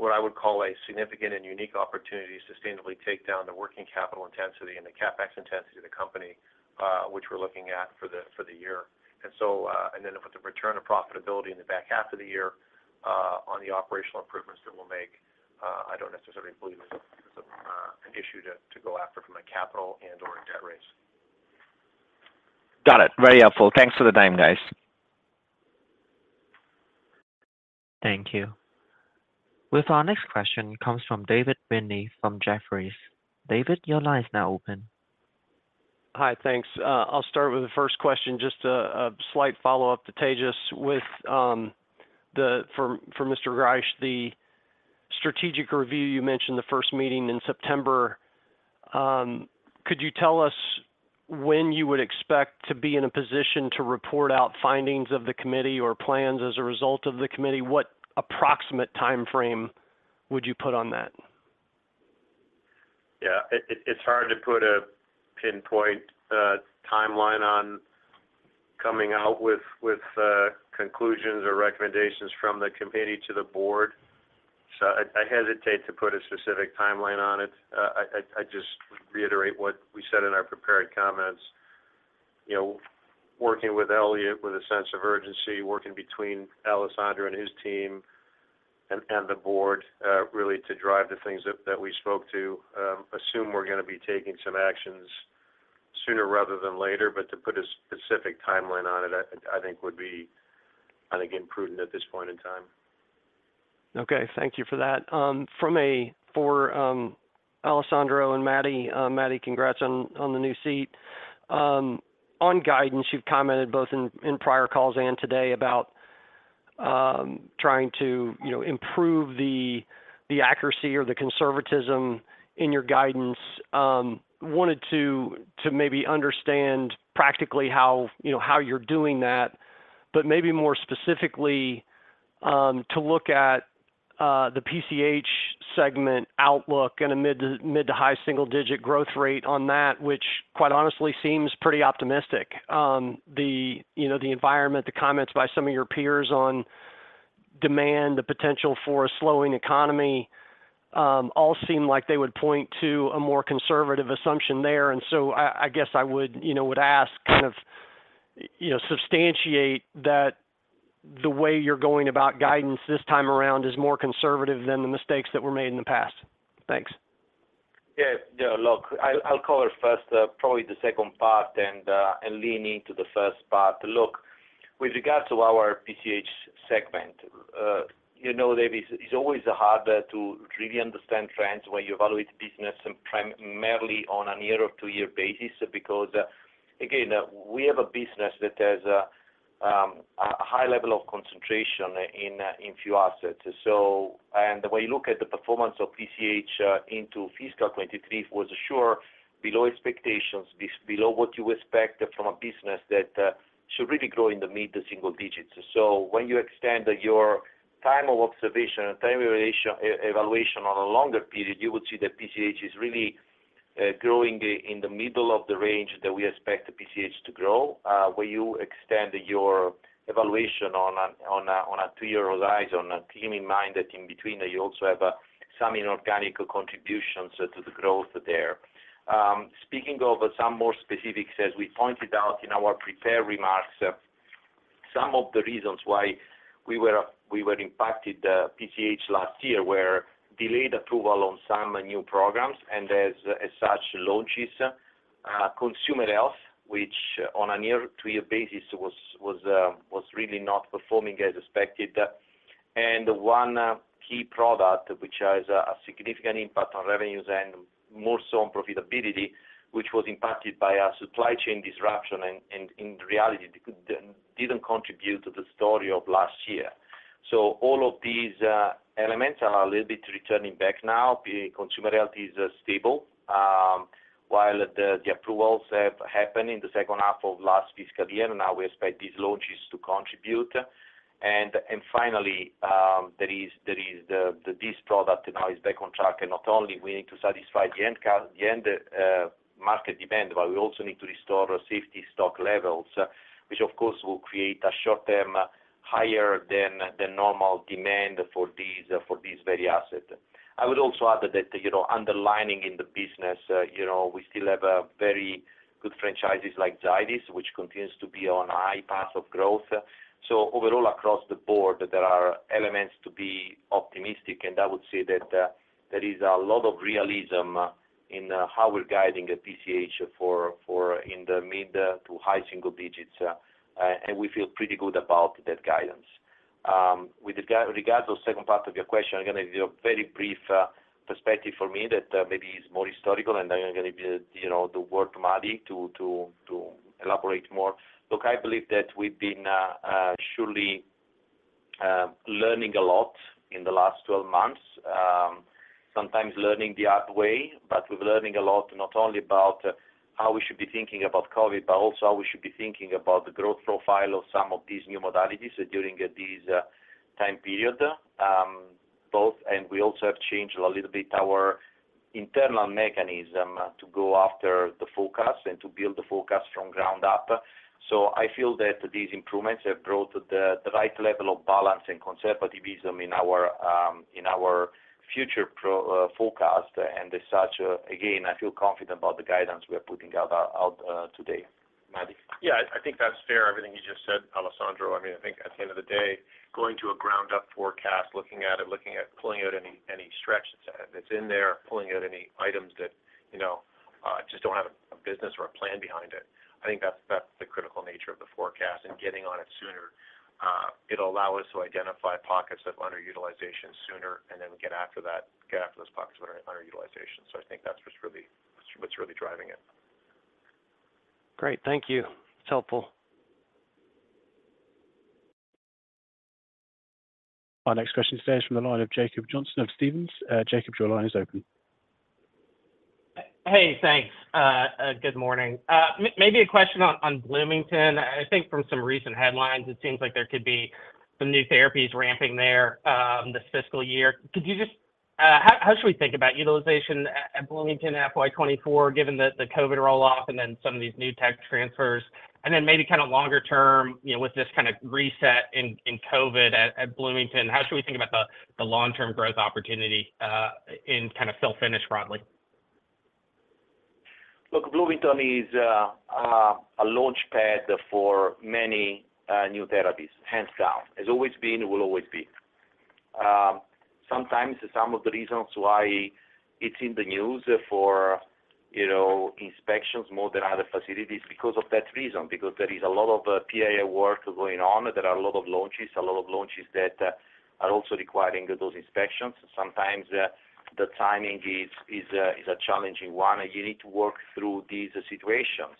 what I would call a significant and unique opportunity to sustainably take down the working capital intensity and the CapEx intensity of the company, which we're looking at for the year. And so, and then with the return of profitability in the back half of the year, on the operational improvements that we'll make, I don't necessarily believe it's an issue to go after from a capital and/or a debt raise. Got it. Very helpful. Thanks for the time, guys. Thank you. With our next question comes from David Windley from Jefferies. David, your line is now open. Hi, thanks. I'll start with the first question, just a slight follow-up to Tejas with the for Mr. Greisch, the strategic review you mentioned the first meeting in September. Could you tell us when you would expect to be in a position to report out findings of the committee or plans as a result of the committee? What approximate timeframe would you put on that? Yeah, it's hard to put a pinpoint timeline on coming out with conclusions or recommendations from the committee to the board. So I hesitate to put a specific timeline on it. I just reiterate what we said in our prepared comments. You know, working with Elliott, with a sense of urgency, working between Alessandro and his team and the board, really to drive the things that we spoke to, assume we're gonna be taking some actions sooner rather than later. But to put a specific timeline on it, I think would be imprudent at this point in time. Okay. Thank you for that. From Alessandro and Matti. Matti, congrats on the new seat. On guidance, you've commented both in prior calls and today about trying to, you know, improve the accuracy or the conservatism in your guidance. Wanted to maybe understand practically how, you know, how you're doing that, but maybe more specifically, to look at the PCH segment outlook and a mid-to-high single-digit growth rate on that, which quite honestly seems pretty optimistic. You know, the environment, the comments by some of your peers on demand, the potential for a slowing economy, all seem like they would point to a more conservative assumption there. And so I, I guess I would, you know, would ask kind of, you know, substantiate that the way you're going about guidance this time around is more conservative than the mistakes that were made in the past. Thanks. Yeah, yeah, look, I'll cover first, probably the second part and lean into the first part. Look, with regards to our PCH segment, you know, David, it's always harder to really understand trends when you evaluate the business primarily on a year or two-year basis, because, again, we have a business that has a high level of concentration in few assets. So, and the way you look at the performance of PCH into fiscal 2023 was sure below expectations, be below what you expect from a business that should really grow in the mid to single digits. So when you extend your time of observation and time evaluation on a longer period, you would see that PCH is really growing in the middle of the range that we expect PCH to grow. Where you extend your evaluation on a two-year horizon, keeping in mind that in between, you also have some inorganic contributions to the growth there. Speaking of some more specifics, as we pointed out in our prepared remarks, some of the reasons why we were impacted PCH last year were delayed approval on some new programs, and as such, launches consumer health, which on a year-to-year basis was really not performing as expected. And one key product, which has a significant impact on revenues and more so on profitability, which was impacted by our supply chain disruption, and in reality, didn't contribute to the story of last year. So all of these elements are a little bit returning back now. Consumer health is stable, while the approvals have happened in the second half of last fiscal year. Now we expect these launches to contribute. And finally, there is this product now is back on track, and not only we need to satisfy the end market demand, but we also need to restore safety stock levels, which of course will create a short-term higher than normal demand for this very asset. I would also add that, you know, underlying in the business, you know, we still have very good franchises like Zydis, which continues to be on a high path of growth. So overall, across the board, there are elements to be optimistic, and I would say that there is a lot of realism in how we're guiding PCH in the mid to high single digits, and we feel pretty good about that guidance. With regards to the second part of your question, I'm gonna give you a very brief perspective for me that maybe is more historical, and I'm gonna give, you know, the word to Matti to elaborate more. Look, I believe that we've been surely learning a lot in the last 12 months, sometimes learning the hard way, but we're learning a lot, not only about how we should be thinking about COVID, but also how we should be thinking about the growth profile of some of these new modalities during this time period, and we also have changed a little bit our internal mechanism to go after the forecast and to build the forecast from ground up. So I feel that these improvements have brought the right level of balance and conservatism in our future forecast. And as such, again, I feel confident about the guidance we are putting out today. Matti? Yeah, I think that's fair, everything you just said, Alessandro. I mean, I think at the end of the day, going to a ground-up forecast, looking at it, looking at pulling out any stretch that's in there, pulling out any items that, you know, just don't have a business or a plan behind it, I think that's the critical nature of the forecast and getting on it sooner. It'll allow us to identify pockets of underutilization sooner and then get after that, get after those pockets of underutilization. So I think that's what's really driving it. Great. Thank you. It's helpful. Our next question is from the line of Jacob Johnson of Stephens. Jacob, your line is open. Hey, thanks. Good morning. Maybe a question on Bloomington. I think from some recent headlines, it seems like there could be some new therapies ramping there, this fiscal year. Could you just... How should we think about utilization at Bloomington FY 2024, given the COVID roll-off and then some of these new tech transfers? And then maybe kind of longer term, you know, with this kind of reset in COVID at Bloomington, how should we think about the long-term growth opportunity, in kind of fill-finish broadly? Look, Bloomington is a launchpad for many new therapies, hands down. It's always been, it will always be. Sometimes some of the reasons why it's in the news for, you know, inspections more than other facilities, because of that reason, because there is a lot of PA work going on. There are a lot of launches, a lot of launches that are also requiring those inspections. Sometimes, the timing is a challenging one, and you need to work through these situations.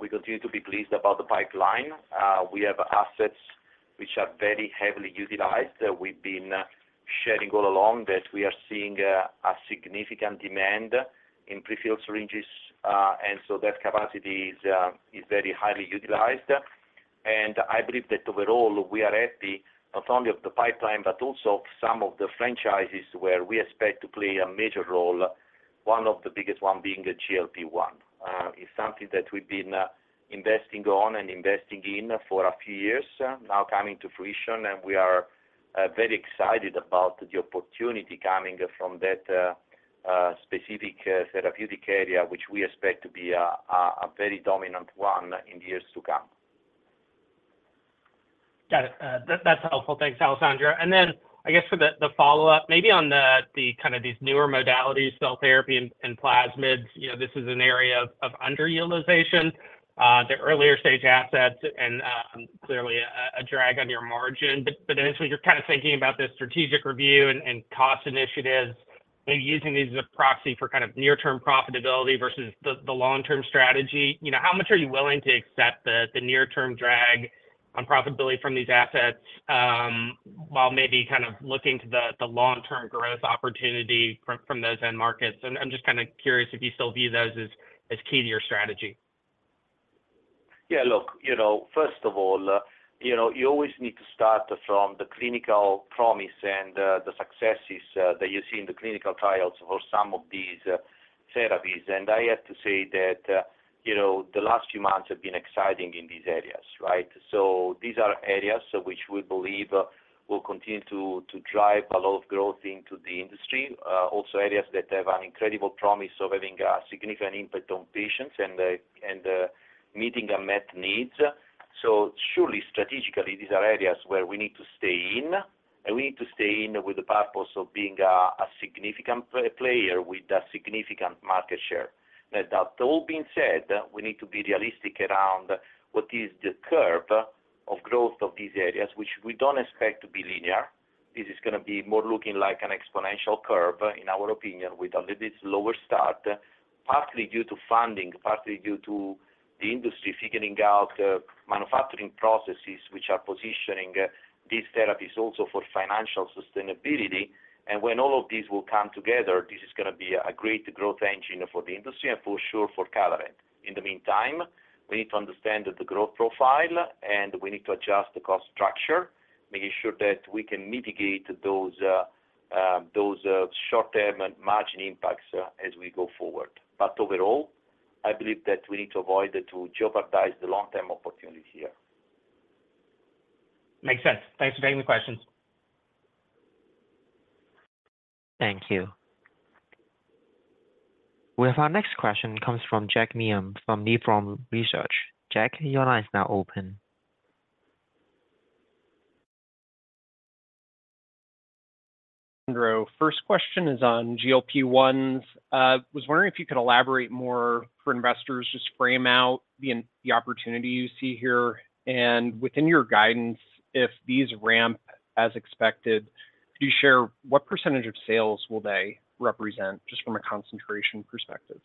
We continue to be pleased about the pipeline. We have assets which are very heavily utilized. We've been sharing all along that we are seeing a significant demand in prefilled syringes, and so that capacity is very highly utilized. I believe that overall, we are happy not only of the pipeline, but also some of the franchises where we expect to play a major role, one of the biggest one being the GLP-1. It's something that we've been investing on and investing in for a few years, now coming to fruition, and we are very excited about the opportunity coming from that specific therapeutic area, which we expect to be a very dominant one in years to come. Got it. That, that's helpful. Thanks, Alessandro. And then I guess for the follow-up, maybe on the kind of these newer modalities, cell therapy and plasmids, you know, this is an area of underutilization, the earlier stage assets and clearly a drag on your margin. But as you're kind of thinking about this strategic review and cost initiatives, maybe using these as a proxy for kind of near-term profitability versus the long-term strategy, you know, how much are you willing to accept the near-term drag on profitability from these assets, while maybe kind of looking to the long-term growth opportunity from those end markets? I'm just kind of curious if you still view those as key to your strategy. Yeah, look, you know, first of all, you know, you always need to start from the clinical promise and, the successes, that you see in the clinical trials for some of these, therapies. And I have to say that, you know, the last few months have been exciting in these areas, right? So these are areas which we believe, will continue to drive a lot of growth into the industry, also areas that have an incredible promise of having a significant impact on patients and, and, meeting unmet needs. So surely, strategically, these are areas where we need to stay in, and we need to stay in with the purpose of being a significant player with a significant market share. Now, that all being said, we need to be realistic around what is the curve of growth of these areas, which we don't expect to be linear. This is going to be more looking like an exponential curve, in our opinion, with a little bit lower start, partly due to funding, partly due to the industry figuring out, manufacturing processes, which are positioning, these therapies also for financial sustainability. And when all of these will come together, this is going to be a great growth engine for the industry and for sure, for Catalent. In the meantime, we need to understand the growth profile, and we need to adjust the cost structure, making sure that we can mitigate those, short-term margin impacts, as we go forward. But overall, I believe that we need to avoid to jeopardize the long-term opportunity here. Makes sense. Thanks for taking the questions. Thank you. Our next question comes from Jack Meehan, from Nephron Research. Jack, your line is now open.... First question is on GLP-1s. Was wondering if you could elaborate more for investors, just frame out the opportunity you see here, and within your guidance, if these ramp as expected, could you share what percentage of sales will they represent, just from a concentration perspective?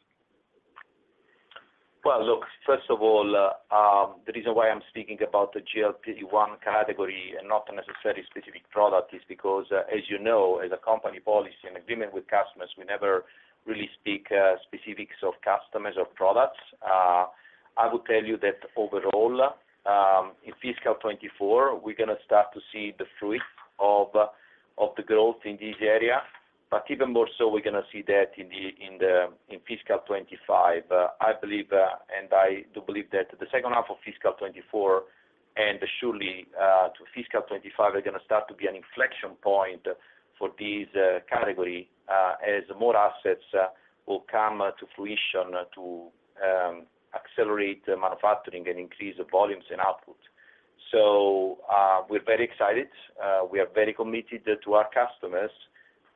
Well, look, first of all, the reason why I'm speaking about the GLP-1 category and not a necessary specific product is because, as you know, as a company policy and agreement with customers, we never really speak specifics of customers or products. I will tell you that overall, in fiscal 2024, we're gonna start to see the fruit of the growth in this area. But even more so, we're gonna see that in fiscal 2025. I believe, and I do believe that the second half of fiscal 2024, and surely to fiscal 2025, are gonna start to be an inflection point for this category, as more assets will come to fruition to accelerate the manufacturing and increase the volumes and output. So, we're very excited. We are very committed to our customers,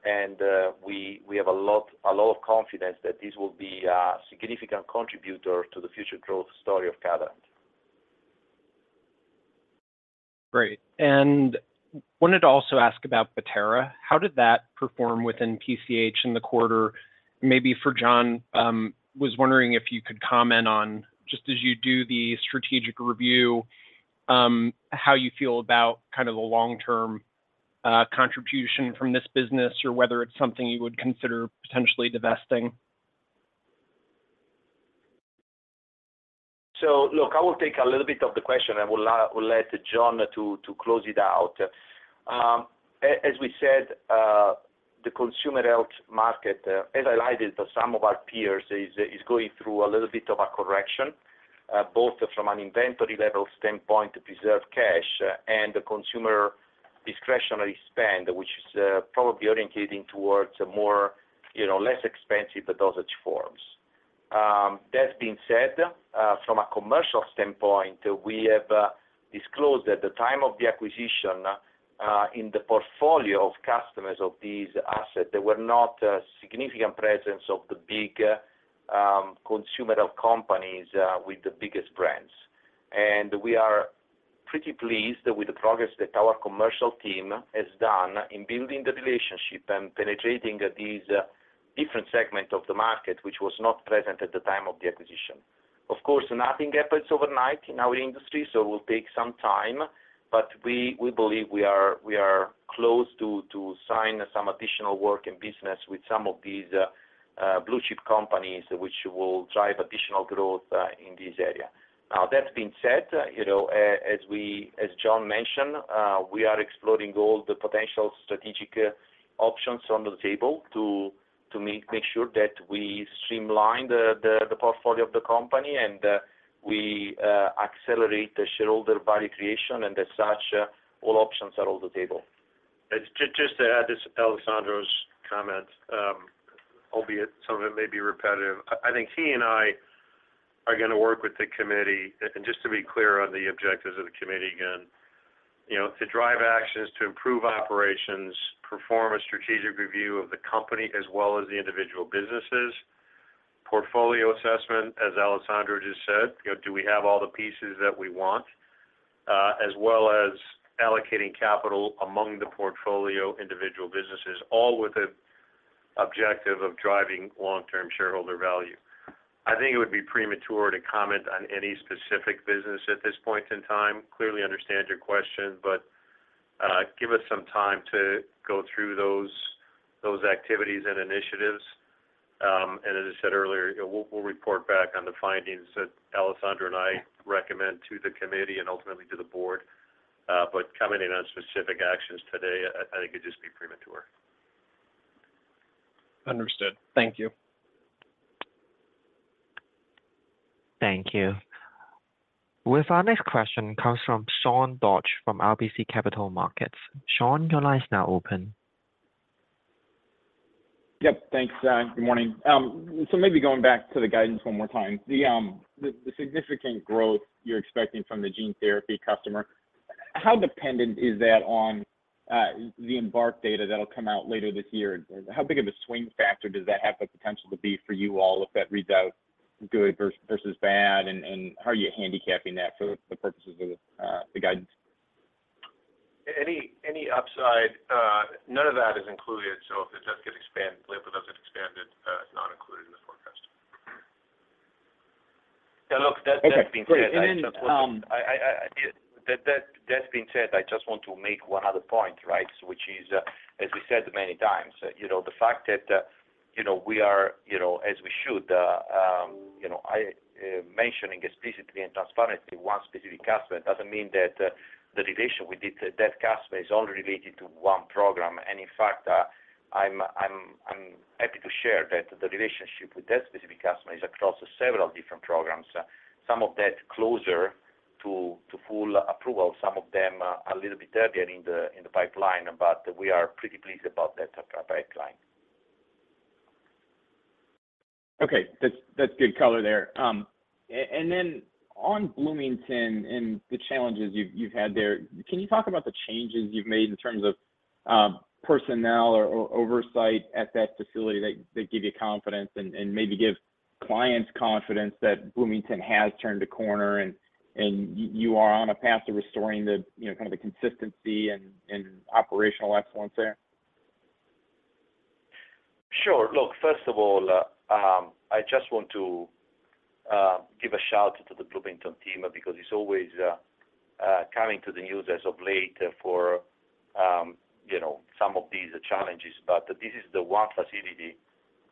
and we have a lot, a lot of confidence that this will be a significant contributor to the future growth story of Catalent. Great. Wanted to also ask about Bettera. How did that perform within PCH in the quarter? Maybe for John, was wondering if you could comment on, just as you do the strategic review, how you feel about kind of the long-term, contribution from this business, or whether it's something you would consider potentially divesting? So look, I will take a little bit of the question, and we'll, I will let John to close it out. As we said, the consumer health market, as highlighted for some of our peers, is going through a little bit of a correction, both from an inventory level standpoint to preserve cash and the consumer discretionary spend, which is probably orienting towards a more, you know, less expensive dosage forms. That being said, from a commercial standpoint, we have disclosed at the time of the acquisition, in the portfolio of customers of these assets, there were not a significant presence of the big consumer health companies with the biggest brands. We are pretty pleased with the progress that our commercial team has done in building the relationship and penetrating these, different segments of the market, which was not present at the time of the acquisition. Of course, nothing happens overnight in our industry, so it will take some time, but we believe we are close to sign some additional work and business with some of these, blue chip companies, which will drive additional growth, in this area. Now, that being said, you know, as we, as John mentioned, we are exploring all the potential strategic, options on the table to make sure that we streamline the, portfolio of the company, and we accelerate the shareholder value creation, and as such, all options are on the table. Just to add to Alessandro's comment, albeit some of it may be repetitive. I think he and I are gonna work with the committee, and just to be clear on the objectives of the committee again, you know, to drive actions, to improve operations, perform a strategic review of the company, as well as the individual businesses. Portfolio assessment, as Alessandro just said, you know, do we have all the pieces that we want? As well as allocating capital among the portfolio, individual businesses, all with the objective of driving long-term shareholder value. I think it would be premature to comment on any specific business at this point in time. Clearly understand your question, but give us some time to go through those activities and initiatives. As I said earlier, we'll report back on the findings that Alessandro and I recommend to the committee and ultimately to the board. But commenting on specific actions today, I think it'd just be premature. Understood. Thank you. Thank you. With our next question comes from Sean Dodge, from RBC Capital Markets. Sean, your line is now open. Yep. Thanks, good morning. So maybe going back to the guidance one more time. The significant growth you're expecting from the gene therapy customer, how dependent is that on the EMBARK data that'll come out later this year? How big of a swing factor does that have the potential to be for you all, if that reads out good versus bad? And how are you handicapping that for the purposes of the guidance? Any upside, none of that is included. So if the test gets expanded, live or doesn't expand, it is not included in the forecast. Yeah, look, that being said- Okay. And then, That being said, I just want to make one other point, right? Which is, as we said many times, you know, the fact that, you know, we are, you know, as we should, you know, mentioning explicitly and transparently one specific customer, doesn't mean that the relationship with that customer is only related to one program. And in fact, I'm happy to share that the relationship with that specific customer is across several different programs. Some of that closer to full approval, some of them a little bit earlier in the pipeline, but we are pretty pleased about that pipeline. Okay. That's, that's good color there. And then on Bloomington and the challenges you've, you've had there, can you talk about the changes you've made in terms of personnel or oversight at that facility that give you confidence and maybe give clients confidence that Bloomington has turned a corner and you are on a path to restoring the, you know, kind of the consistency and operational excellence there? Sure. Look, first of all, I just want a shout to the Bloomington team, because it's always coming to the news as of late for, you know, some of these challenges. But this is the one facility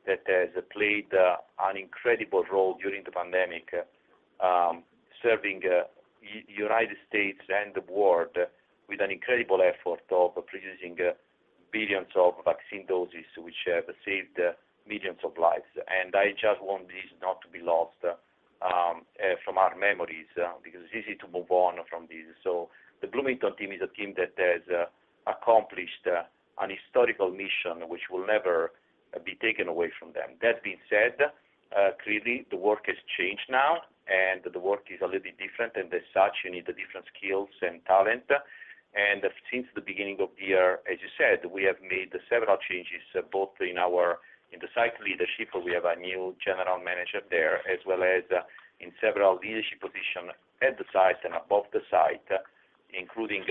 that has played an incredible role during the pandemic, serving United States and the world with an incredible effort of producing billions of vaccine doses, which saved millions of lives. And I just want this not to be lost from our memories, because it's easy to move on from this. So the Bloomington team is a team that has accomplished an historical mission, which will never be taken away from them. That being said, clearly, the work has changed now, and the work is a little bit different, and as such, you need the different skills and talent. Since the beginning of the year, as you said, we have made several changes, both in our site leadership—we have a new general manager there—as well as in several leadership positions at the site and above the site, including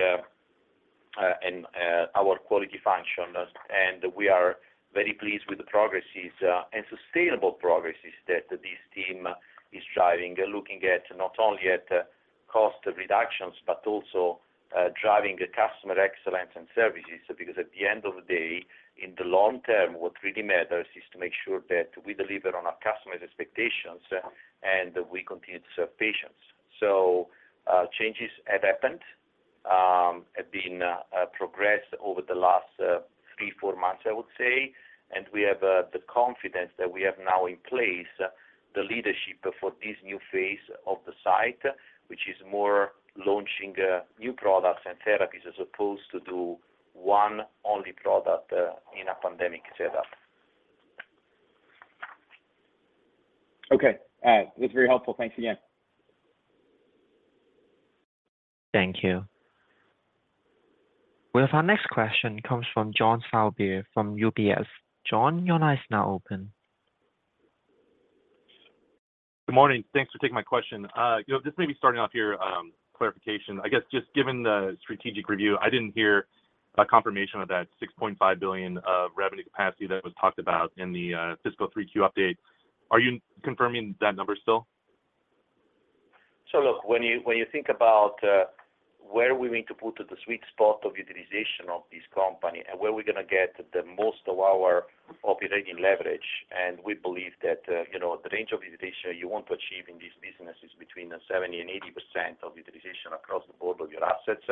in our quality function. And we are very pleased with the progresses and sustainable progresses that this team is driving, looking at not only cost reductions, but also driving customer excellence and services. Because at the end of the day, in the long term, what really matters is to make sure that we deliver on our customer's expectations, and we continue to serve patients. So, changes have happened, have been progressed over the last three, four months, I would say. And we have the confidence that we have now in place, the leadership for this new phase of the site, which is more launching new products and therapies, as opposed to do one only product in a pandemic setup. Okay. That's very helpful. Thanks again. Thank you. Well, our next question comes from John Sourbeer from UBS. John, your line is now open. Good morning. Thanks for taking my question. You know, just maybe starting off here, clarification. I guess, just given the strategic review, I didn't hear a confirmation of that $6.5 billion of revenue capacity that was talked about in the fiscal 3Q update. Are you confirming that number still? So look, when you, when you think about where we need to put the sweet spot of utilization of this company and where we're gonna get the most of our operating leverage, and we believe that, you know, the range of utilization you want to achieve in this business is between 70% and 80% of utilization across the board of your assets.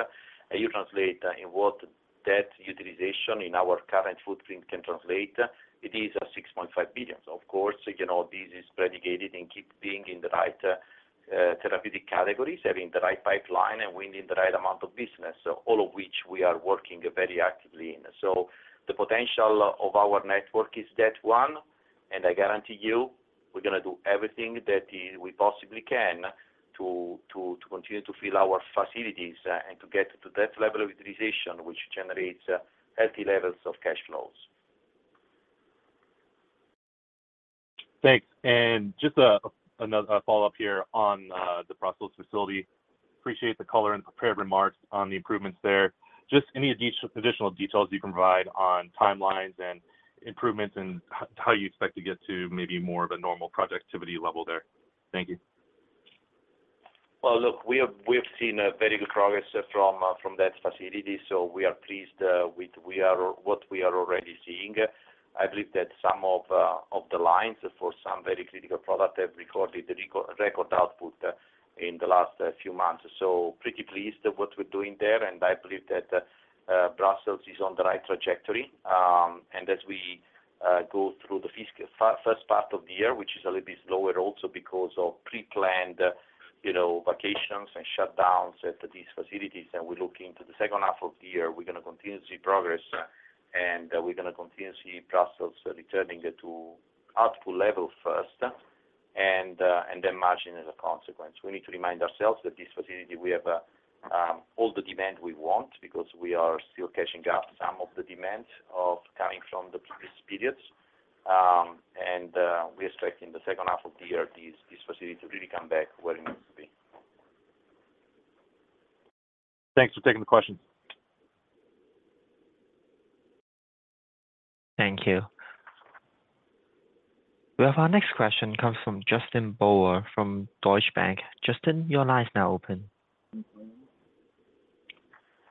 You translate in what that utilization in our current footprint can translate, it is $6.5 billion. So of course, you know, this is predicated in keep being in the right therapeutic categories, having the right pipeline, and winning the right amount of business, so all of which we are working very actively in. The potential of our network is that one, and I guarantee you, we're gonna do everything that we possibly can to continue to fill our facilities, and to get to that level of utilization, which generates healthy levels of cash flows. Thanks. And just another follow-up here on the Brussels facility. Appreciate the color and prepared remarks on the improvements there. Just any additional details you can provide on timelines and improvements and how you expect to get to maybe more of a normal productivity level there? Thank you. Well, look, we have seen a very good progress from that facility, so we are pleased with what we are already seeing. I believe that some of the lines for some very critical product have recorded the record output in the last few months. So pretty pleased with what we're doing there, and I believe that Brussels is on the right trajectory. And as we go through the first part of the year, which is a little bit slower, also because of preplanned, you know, vacations and shutdowns at these facilities. And we look into the second half of the year, we're gonna continue to see progress, and we're gonna continue to see Brussels returning to output level first, and then margin as a consequence. We need to remind ourselves that this facility, we have, all the demand we want, because we are still catching up some of the demand of coming from the previous periods. We expecting in the second half of the year, this, this facility to really come back where it needs to be. Thanks for taking the question. Thank you. Well, our next question comes from Justin Bowers from Deutsche Bank. Justin, your line is now open.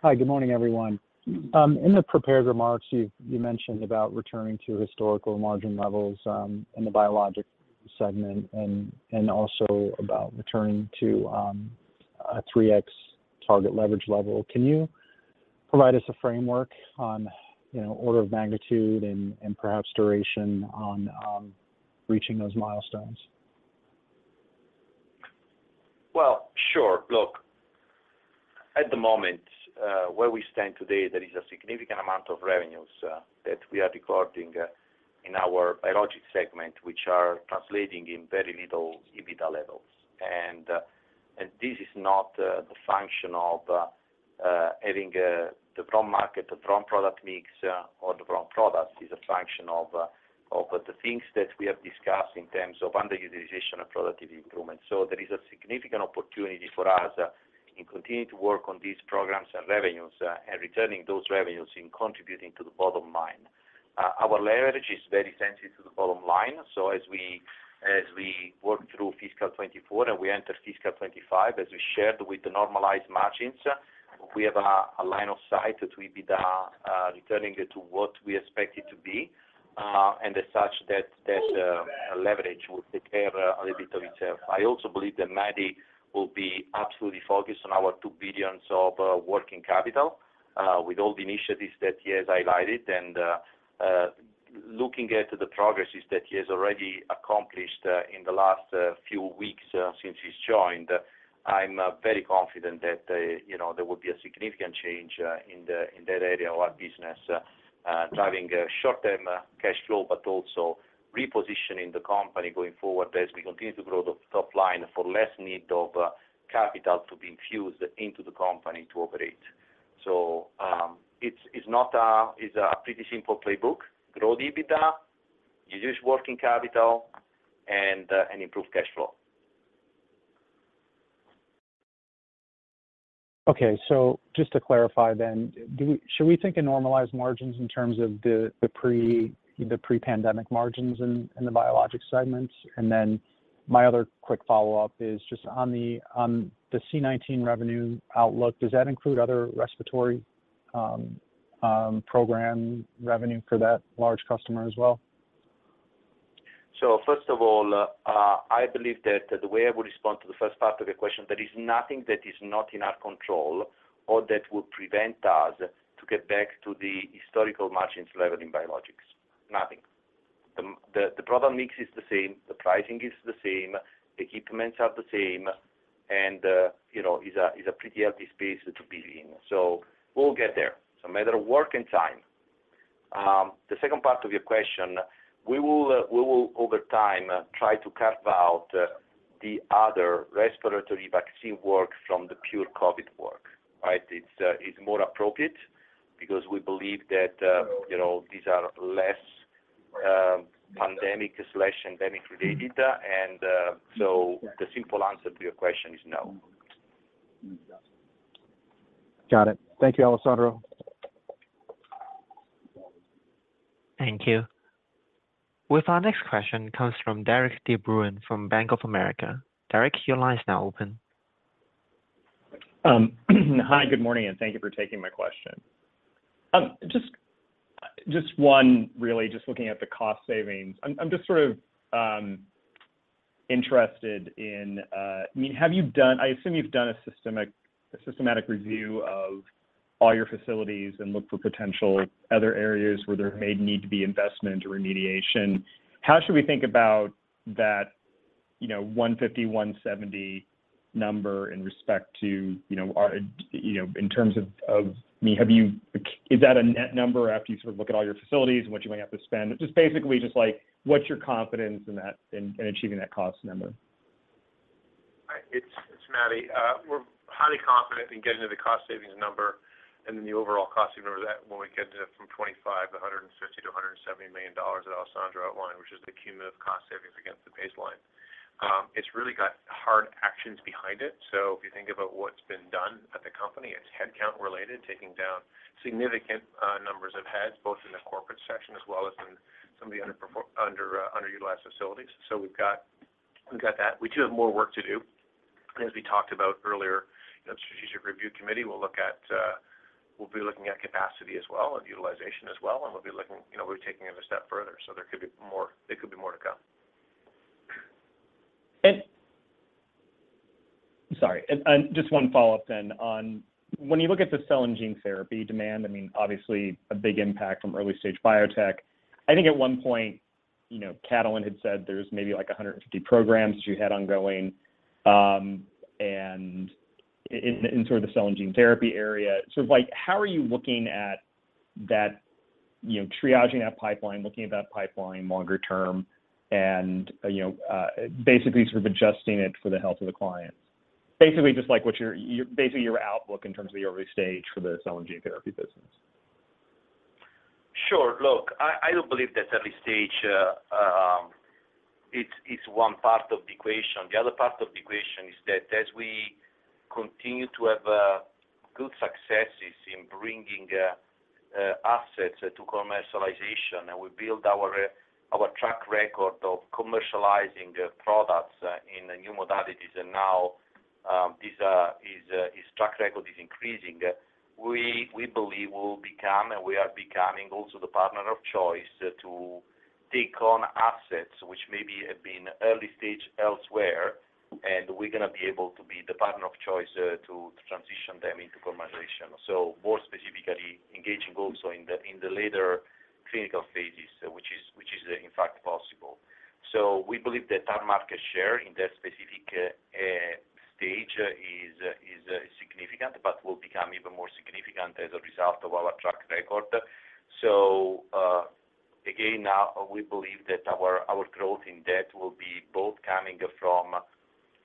Hi, good morning, everyone. In the prepared remarks, you mentioned about returning to historical margin levels in the Biologics segment and also about returning to a 3x target leverage level. Can you provide us a framework on, you know, order of magnitude and perhaps duration on reaching those milestones? Well, sure. Look, at the moment, where we stand today, there is a significant amount of revenues that we are recording in our Biologics segment, which are translating in very little EBITDA levels. And this is not the function of having the wrong market, the wrong product mix, or the wrong product. It's a function of the things that we have discussed in terms of underutilization and productivity improvement. So there is a significant opportunity for us in continuing to work on these programs and revenues, and returning those revenues in contributing to the bottom line. Our leverage is very sensitive to the bottom line. So, as we work through fiscal 2024 and we enter fiscal 2025, as we shared with the normalized margins, we have a line of sight that we'll be returning it to what we expect it to be, and as such, that leverage will take care of itself a little bit. I also believe that Matti will be absolutely focused on our $2 billion of working capital, with all the initiatives that he has highlighted and, looking at the progress that he has already accomplished, in the last few weeks, since he's joined, I'm very confident that, you know, there will be a significant change, in that area of our business, driving short-term cash flow, but also repositioning the company going forward as we continue to grow the top line for less need of capital to be infused into the company to operate. So, it's not a, it's a pretty simple playbook, grow the EBITDA, reduce working capital, and improve cash flow. Okay. So just to clarify then, do we, should we think of normalized margins in terms of the, the pre, the pre-pandemic margins in the Biologics segment? And then my other quick follow-up is just on the COVID-19 revenue outlook, does that include other respiratory program revenue for that large customer as well? So first of all, I believe that the way I would respond to the first part of your question, there is nothing that is not in our control or that would prevent us to get back to the historical margins level in Biologics. Nothing. The product mix is the same, the pricing is the same, the equipment is the same, and, you know, it's a pretty healthy space to be in. So we'll get there. It's a matter of work and time. The second part of your question, we will, over time, try to carve out the other respiratory vaccine work from the pure COVID work, right? It's more appropriate because we believe that, you know, these are less pandemic slash endemic related, and so the simple answer to your question is no. Got it. Thank you, Alessandro. Thank you. With our next question comes from Derik de Bruin from Bank of America. Derik, your line is now open. Hi, good morning, and thank you for taking my question. Just one, really, just looking at the cost savings. I'm just sort of interested in... I mean, have you done. I assume you've done a systematic review of all your facilities and looked for potential other areas where there may need to be investment or remediation. How should we think about that, you know, $150-$170 number in respect to, you know, our, you know, in terms of, of... I mean, have you. Is that a net number after you sort of look at all your facilities and what you might have to spend? Just basically, just, like, what's your confidence in that, in achieving that cost number? Hi, it's Matti. We're highly confident in getting to the cost savings number and then the overall cost savings number, that when we get to from $25 million to $150 million to $170 million, that Alessandro outlined, which is the cumulative cost savings against the baseline. It's really got hard actions behind it. So if you think about what's been done at the company, it's headcount related, taking down significant numbers of heads, both in the corporate section as well as in some of the underutilized facilities. So we've got, we've got that. We do have more work to do. As we talked about earlier, the Strategic Review Committee will look at, we'll be looking at capacity as well and utilization as well, and we'll be looking, you know, we'll be taking it a step further. There could be more, there could be more to come. Just one follow-up then on... When you look at the cell and gene therapy demand, I mean, obviously a big impact from early-stage biotech. I think at one point, you know, Catalent had said there's maybe, like, 150 programs you had ongoing, and in sort of the cell and gene therapy area. So like, how are you looking at that, you know, triaging that pipeline, looking at that pipeline longer term and, you know, basically sort of adjusting it for the health of the client? Basically, just like what your, your basically your outlook in terms of the early stage for the cell and gene therapy business. Sure. Look, I do believe that early stage, it's one part of the equation. The other part of the equation is that as we continue to have good successes in bringing assets to commercialization, and we build our track record of commercializing products in the new modalities, and now this track record is increasing, we believe we will become, and we are becoming also the partner of choice to take on assets which may have been early stage elsewhere, and we're gonna be able to be the partner of choice to transition them into commercialization. So more specifically, engaging also in the later clinical phases, which is in fact possible. So we believe that our market share in that specific stage is significant, but will become even more significant as a result of our track record. So, again, we believe that our growth in that will be both coming from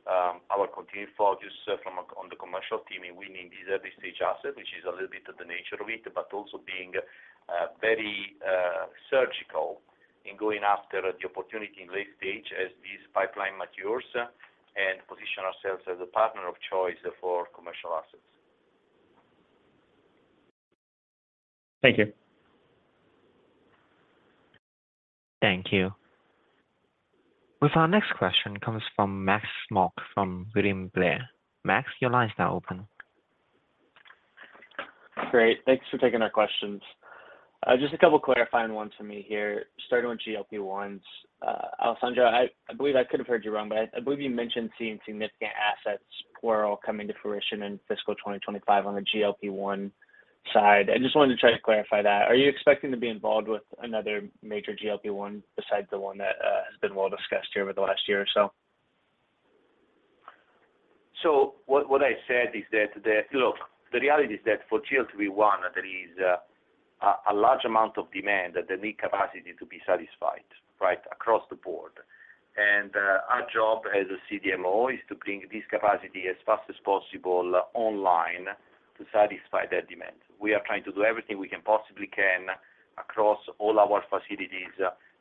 our continued focus on the commercial team, and winning these early-stage asset, which is a little bit of the nature of it, but also being very surgical in going after the opportunity in late stage as this pipeline matures, and position ourselves as a partner of choice for commercial assets. Thank you. Thank you. With our next question comes from Max Smock from William Blair. Max, your line is now open. Great, thanks for taking our questions. Just a couple clarifying ones for me here. Starting with GLP-1, Alessandro, I believe I could have heard you wrong, but I believe you mentioned seeing significant asset utilization coming to fruition in fiscal 2025 on the GLP-1 side. I just wanted to try to clarify that. Are you expecting to be involved with another major GLP-1 besides the one that has been well discussed here over the last year or so? So what I said is that, look, the reality is that for GLP-1, there is a large amount of demand that they need capacity to be satisfied, right, across the board. And our job as a CDMO is to bring this capacity as fast as possible online to satisfy that demand. We are trying to do everything we can possibly can across all our facilities,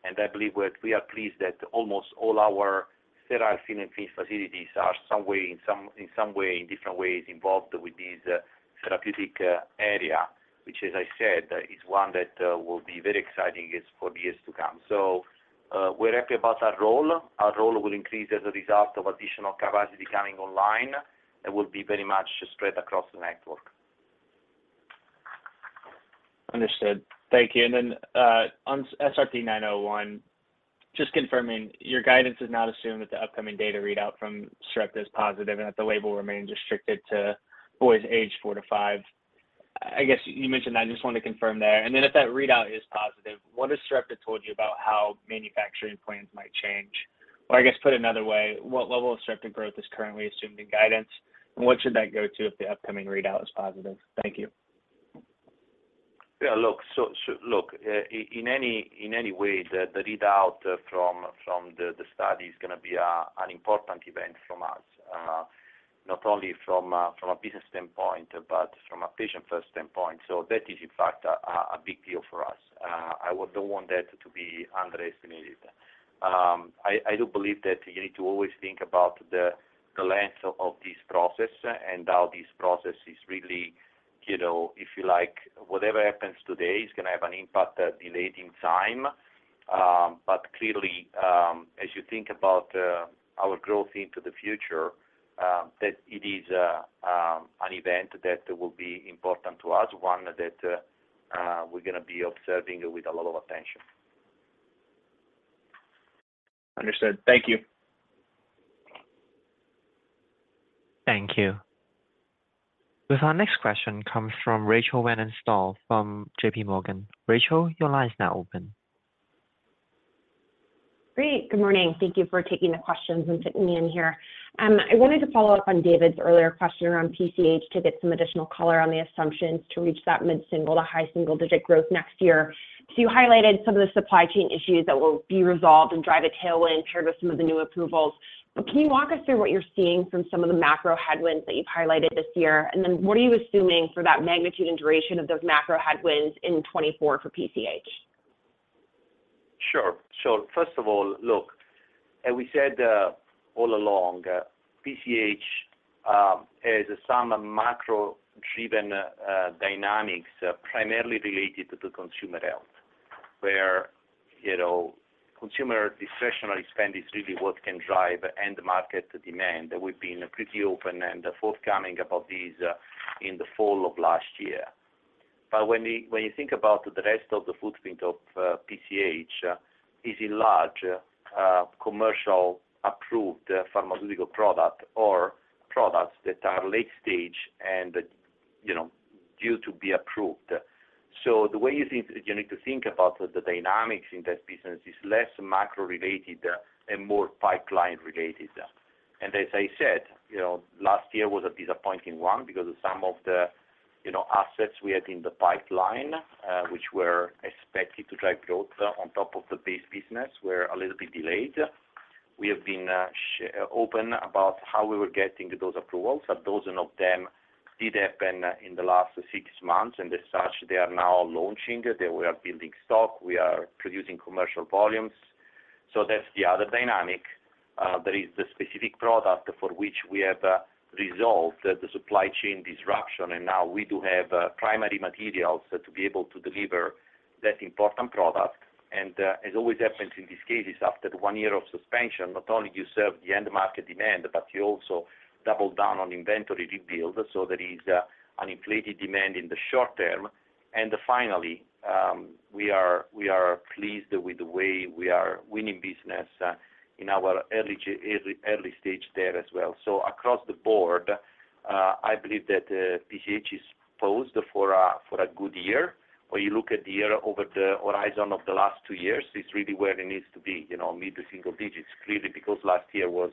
and I believe that we are pleased that almost all our sterile fill and finish facilities are some way, in some way, in different ways involved with this therapeutic area, which, as I said, is one that will be very exciting as for years to come. So, we're happy about our role. Our role will increase as a result of additional capacity coming online, and will be very much spread across the network. Understood. Thank you. And then, on SRP-9001, just confirming, your guidance does not assume that the upcoming data readout from Sarepta is positive and that the label will remain restricted to boys aged four to five. I guess you mentioned that. I just wanted to confirm there. And then if that readout is positive, what has Sarepta told you about how manufacturing plans might change? Or I guess, put another way, what level of Sarepta growth is currently assumed in guidance, and what should that go to if the upcoming readout is positive? Thank you. Yeah, look, in any way, the readout from the study is going to be an important event from us, not only from a business standpoint, but from a patient-first standpoint. So that is in fact, a big deal for us. I don't want that to be underestimated. I do believe that you need to always think about the length of this process and how this process is really you know, if you like, whatever happens today is going to have an impact in leading time. But clearly, as you think about our growth into the future, that it is an event that will be important to us, one that we're going to be observing with a lot of attention. Understood. Thank you. Thank you. With our next question comes from Rachel Vatnsdal from JPMorgan. Rachel, your line is now open. Great. Good morning. Thank you for taking the questions and fitting me in here. I wanted to follow up on David's earlier question around PCH to get some additional color on the assumptions to reach that mid-single to high single-digit growth next year. So you highlighted some of the supply chain issues that will be resolved and drive a tailwind paired with some of the new approvals. But can you walk us through what you're seeing from some of the macro headwinds that you've highlighted this year? And then what are you assuming for that magnitude and duration of those macro headwinds in 2024 for PCH? Sure. Sure. First of all, look, as we said, all along, PCH has some macro-driven dynamics, primarily related to consumer health, where, you know, consumer discretionary spend is really what can drive end market demand. We've been pretty open and forthcoming about this, in the fall of last year. But when you, when you think about the rest of the footprint of, PCH is in large, commercial approved pharmaceutical product or products that are late stage and, you know, due to be approved. So the way you think, you need to think about the dynamics in that business is less macro-related and more pipeline-related. As I said, you know, last year was a disappointing one because some of the, you know, assets we had in the pipeline, which were expected to drive growth on top of the base business, were a little bit delayed. We have been open about how we were getting those approvals, 12 of them did happen in the last six months, and as such, they are now launching, we are building stock, we are producing commercial volumes. So that's the other dynamic. There is the specific product for which we have resolved the supply chain disruption, and now we do have primary materials to be able to deliver that important product. As always happens in these cases, after one year of suspension, not only you serve the end market demand, but you also double down on inventory rebuild. So there is an inflated demand in the short term. Finally, we are, we are pleased with the way we are winning business in our early, early stage there as well. So across the board, I believe that PCH is poised for a, for a good year. When you look at the year over the horizon of the last two years, it's really where it needs to be, you know, mid- to single digits, clearly, because last year was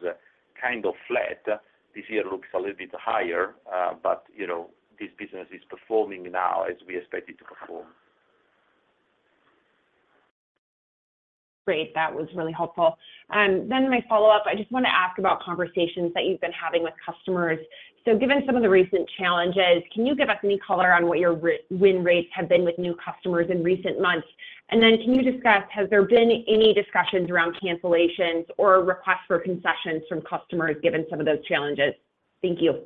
kind of flat. This year looks a little bit higher, but you know, this business is performing now as we expect it to perform. Great. That was really helpful. Then my follow-up, I just want to ask about conversations that you've been having with customers. So given some of the recent challenges, can you give us any color on what your re-win rates have been with new customers in recent months? And then can you discuss, has there been any discussions around cancellations or requests for concessions from customers, given some of those challenges? Thank you....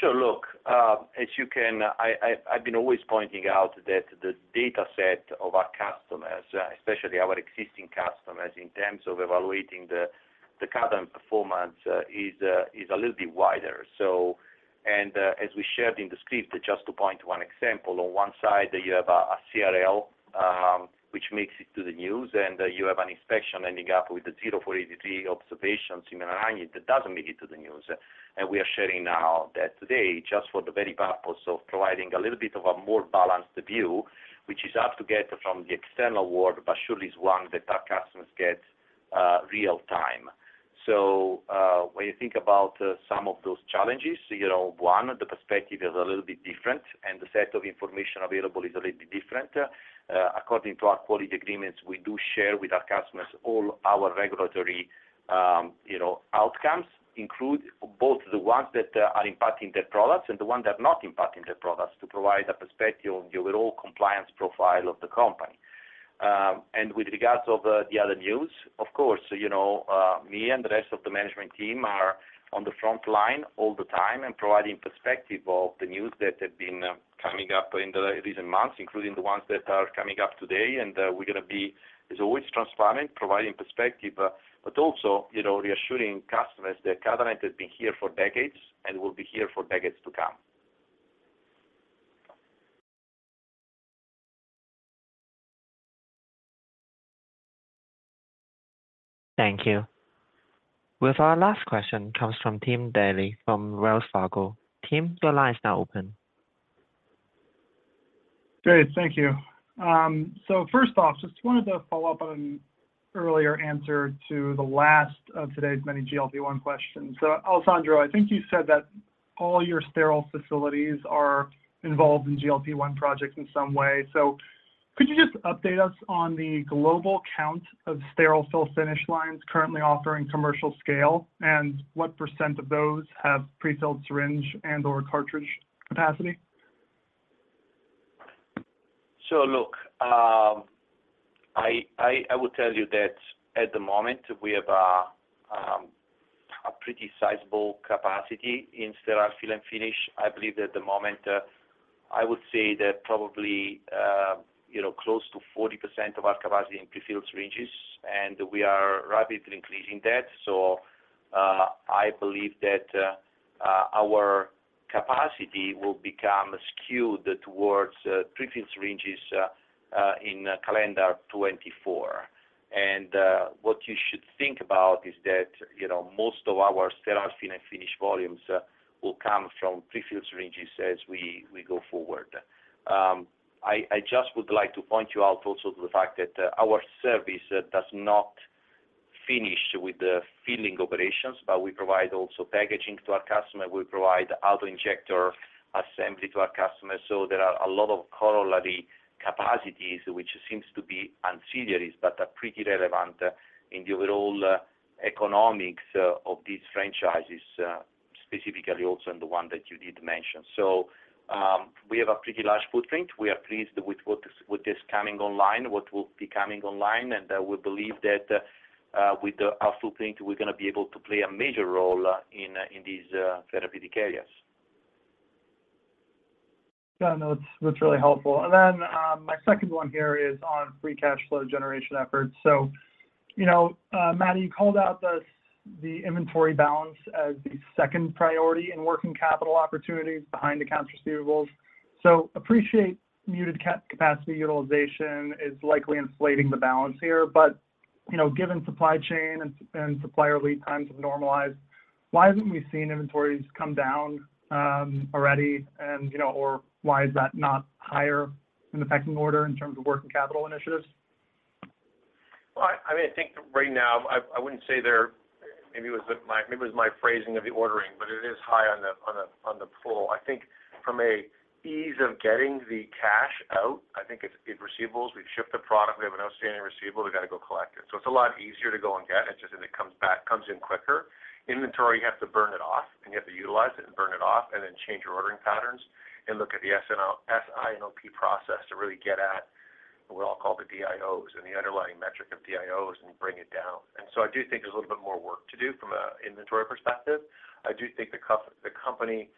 Sure. Look, as you can, I've been always pointing out that the data set of our customers, especially our existing customers, in terms of evaluating the current performance, is a little bit wider. So, as we shared in the script, just to point to one example, on one side, you have a CRL, which makes it to the news, and you have an inspection ending up with the Form 483 observations in Anagni that doesn't make it to the news. And we are sharing now that today, just for the very purpose of providing a little bit of a more balanced view, which is hard to get from the external world, but surely is one that our customers get real-time. So, when you think about, some of those challenges, you know, one, the perspective is a little bit different, and the set of information available is a little bit different. According to our quality agreements, we do share with our customers all our regulatory, you know, outcomes, include both the ones that, are impacting their products and the ones that are not impacting their products, to provide a perspective on the overall compliance profile of the company. And with regards of, the other news, of course, you know, me and the rest of the management team are on the front line all the time and providing perspective of the news that have been, coming up in the recent months, including the ones that are coming up today. We're going to be as always transparent, providing perspective, but also, you know, reassuring customers that Catalent has been here for decades and will be here for decades to come. Thank you. With our last question comes from Tim Daley from Wells Fargo. Tim, your line is now open. Great. Thank you. So first off, just wanted to follow up on an earlier answer to the last of today's many GLP-1 questions. Alessandro, I think you said that all your sterile facilities are involved in GLP-1 projects in some way. So could you just update us on the global count of sterile fill finish lines currently offering commercial scale, and what percentage of those have prefilled syringe and/or cartridge capacity? So look, I will tell you that at the moment, we have a pretty sizable capacity in sterile fill and finish. I believe at the moment, I would say that probably, you know, close to 40% of our capacity in prefilled syringes, and we are rapidly increasing that. So, I believe that our capacity will become skewed towards prefilled syringes in calendar 2024. And what you should think about is that, you know, most of our sterile fill and finish volumes will come from prefilled syringes as we go forward. I just would like to point you out also to the fact that our service does not finish with the filling operations, but we provide also packaging to our customer. We provide auto-injector assembly to our customers. So there are a lot of corollary capacities, which seems to be ancillaries, but are pretty relevant in the overall economics of these franchises, specifically also in the one that you did mention. We have a pretty large footprint. We are pleased with what is coming online, what will be coming online, and we believe that with our footprint, we're going to be able to play a major role in these therapeutic areas. Yeah, no, that's really helpful. And then my second one here is on free cash flow generation efforts. So, you know, Matti, you called out the inventory balance as the second priority in working capital opportunities behind accounts receivables. So appreciate muted capacity utilization is likely inflating the balance here, but, you know, given supply chain and supplier lead times have normalized, why haven't we seen inventories come down already? And, you know, or why is that not higher in the pecking order in terms of working capital initiatives? Well, I mean, I think right now, I wouldn't say there, maybe it was my phrasing of the ordering, but it is high on the pool. I think from an ease of getting the cash out, I think it's in receivables. We've shipped the product, we have an outstanding receivable, we got to go collect it. So it's a lot easier to go and get it, and it comes back, comes in quicker. Inventory, you have to burn it off, and you have to utilize it and burn it off, and then change your ordering patterns and look at the SIOP process to really get at what I'll call the DIOs and the underlying metric of DIOs and bring it down. So I do think there's a little bit more work to do from an inventory perspective. I do think the company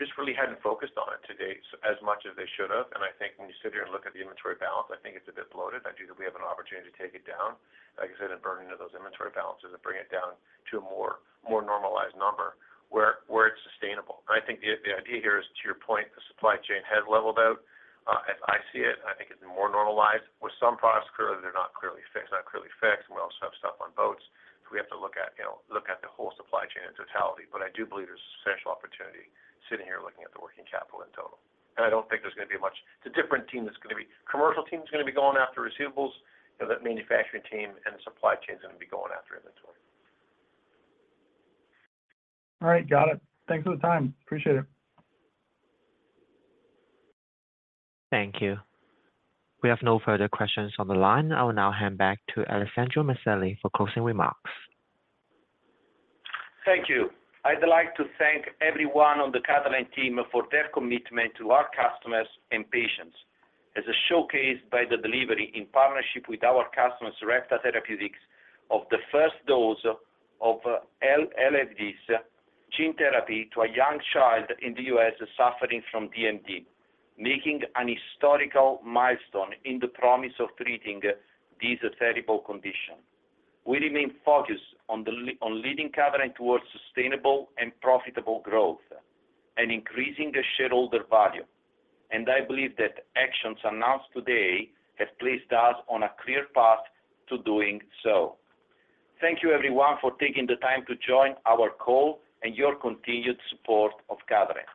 just really hadn't focused on it to date as much as they should have. I think when you sit here and look at the inventory balance, I think it's a bit bloated. I do think we have an opportunity to take it down, like I said, and burn into those inventory balances and bring it down to a more normalized number where it's sustainable. I think the idea here is, to your point, the supply chain has leveled out. As I see it, I think it's more normalized. With some products, clearly, they're not fixed, and we also have stuff on boats. So we have to look at, you know, the whole supply chain in totality. But I do believe there's a substantial opportunity sitting here looking at the working capital in total. And I don't think there's going to be much. It's a different team that's going to be, commercial team is going to be going after receivables, and the manufacturing team and the supply chain is going to be going after inventory. All right, got it. Thanks for the time. Appreciate it. Thank you. We have no further questions on the line. I will now hand back to Alessandro Maselli for closing remarks. Thank you. I'd like to thank everyone on the Catalent team for their commitment to our customers and patients, as showcased by the delivery in partnership with our customers, Sarepta Therapeutics, of the first dose of Elevidys gene therapy to a young child in the U.S., suffering from DMD, making an historical milestone in the promise of treating this terrible condition. We remain focused on leading Catalent towards sustainable and profitable growth and increasing the shareholder value. I believe that actions announced today have placed us on a clear path to doing so. Thank you, everyone, for taking the time to join our call and your continued support of Catalent.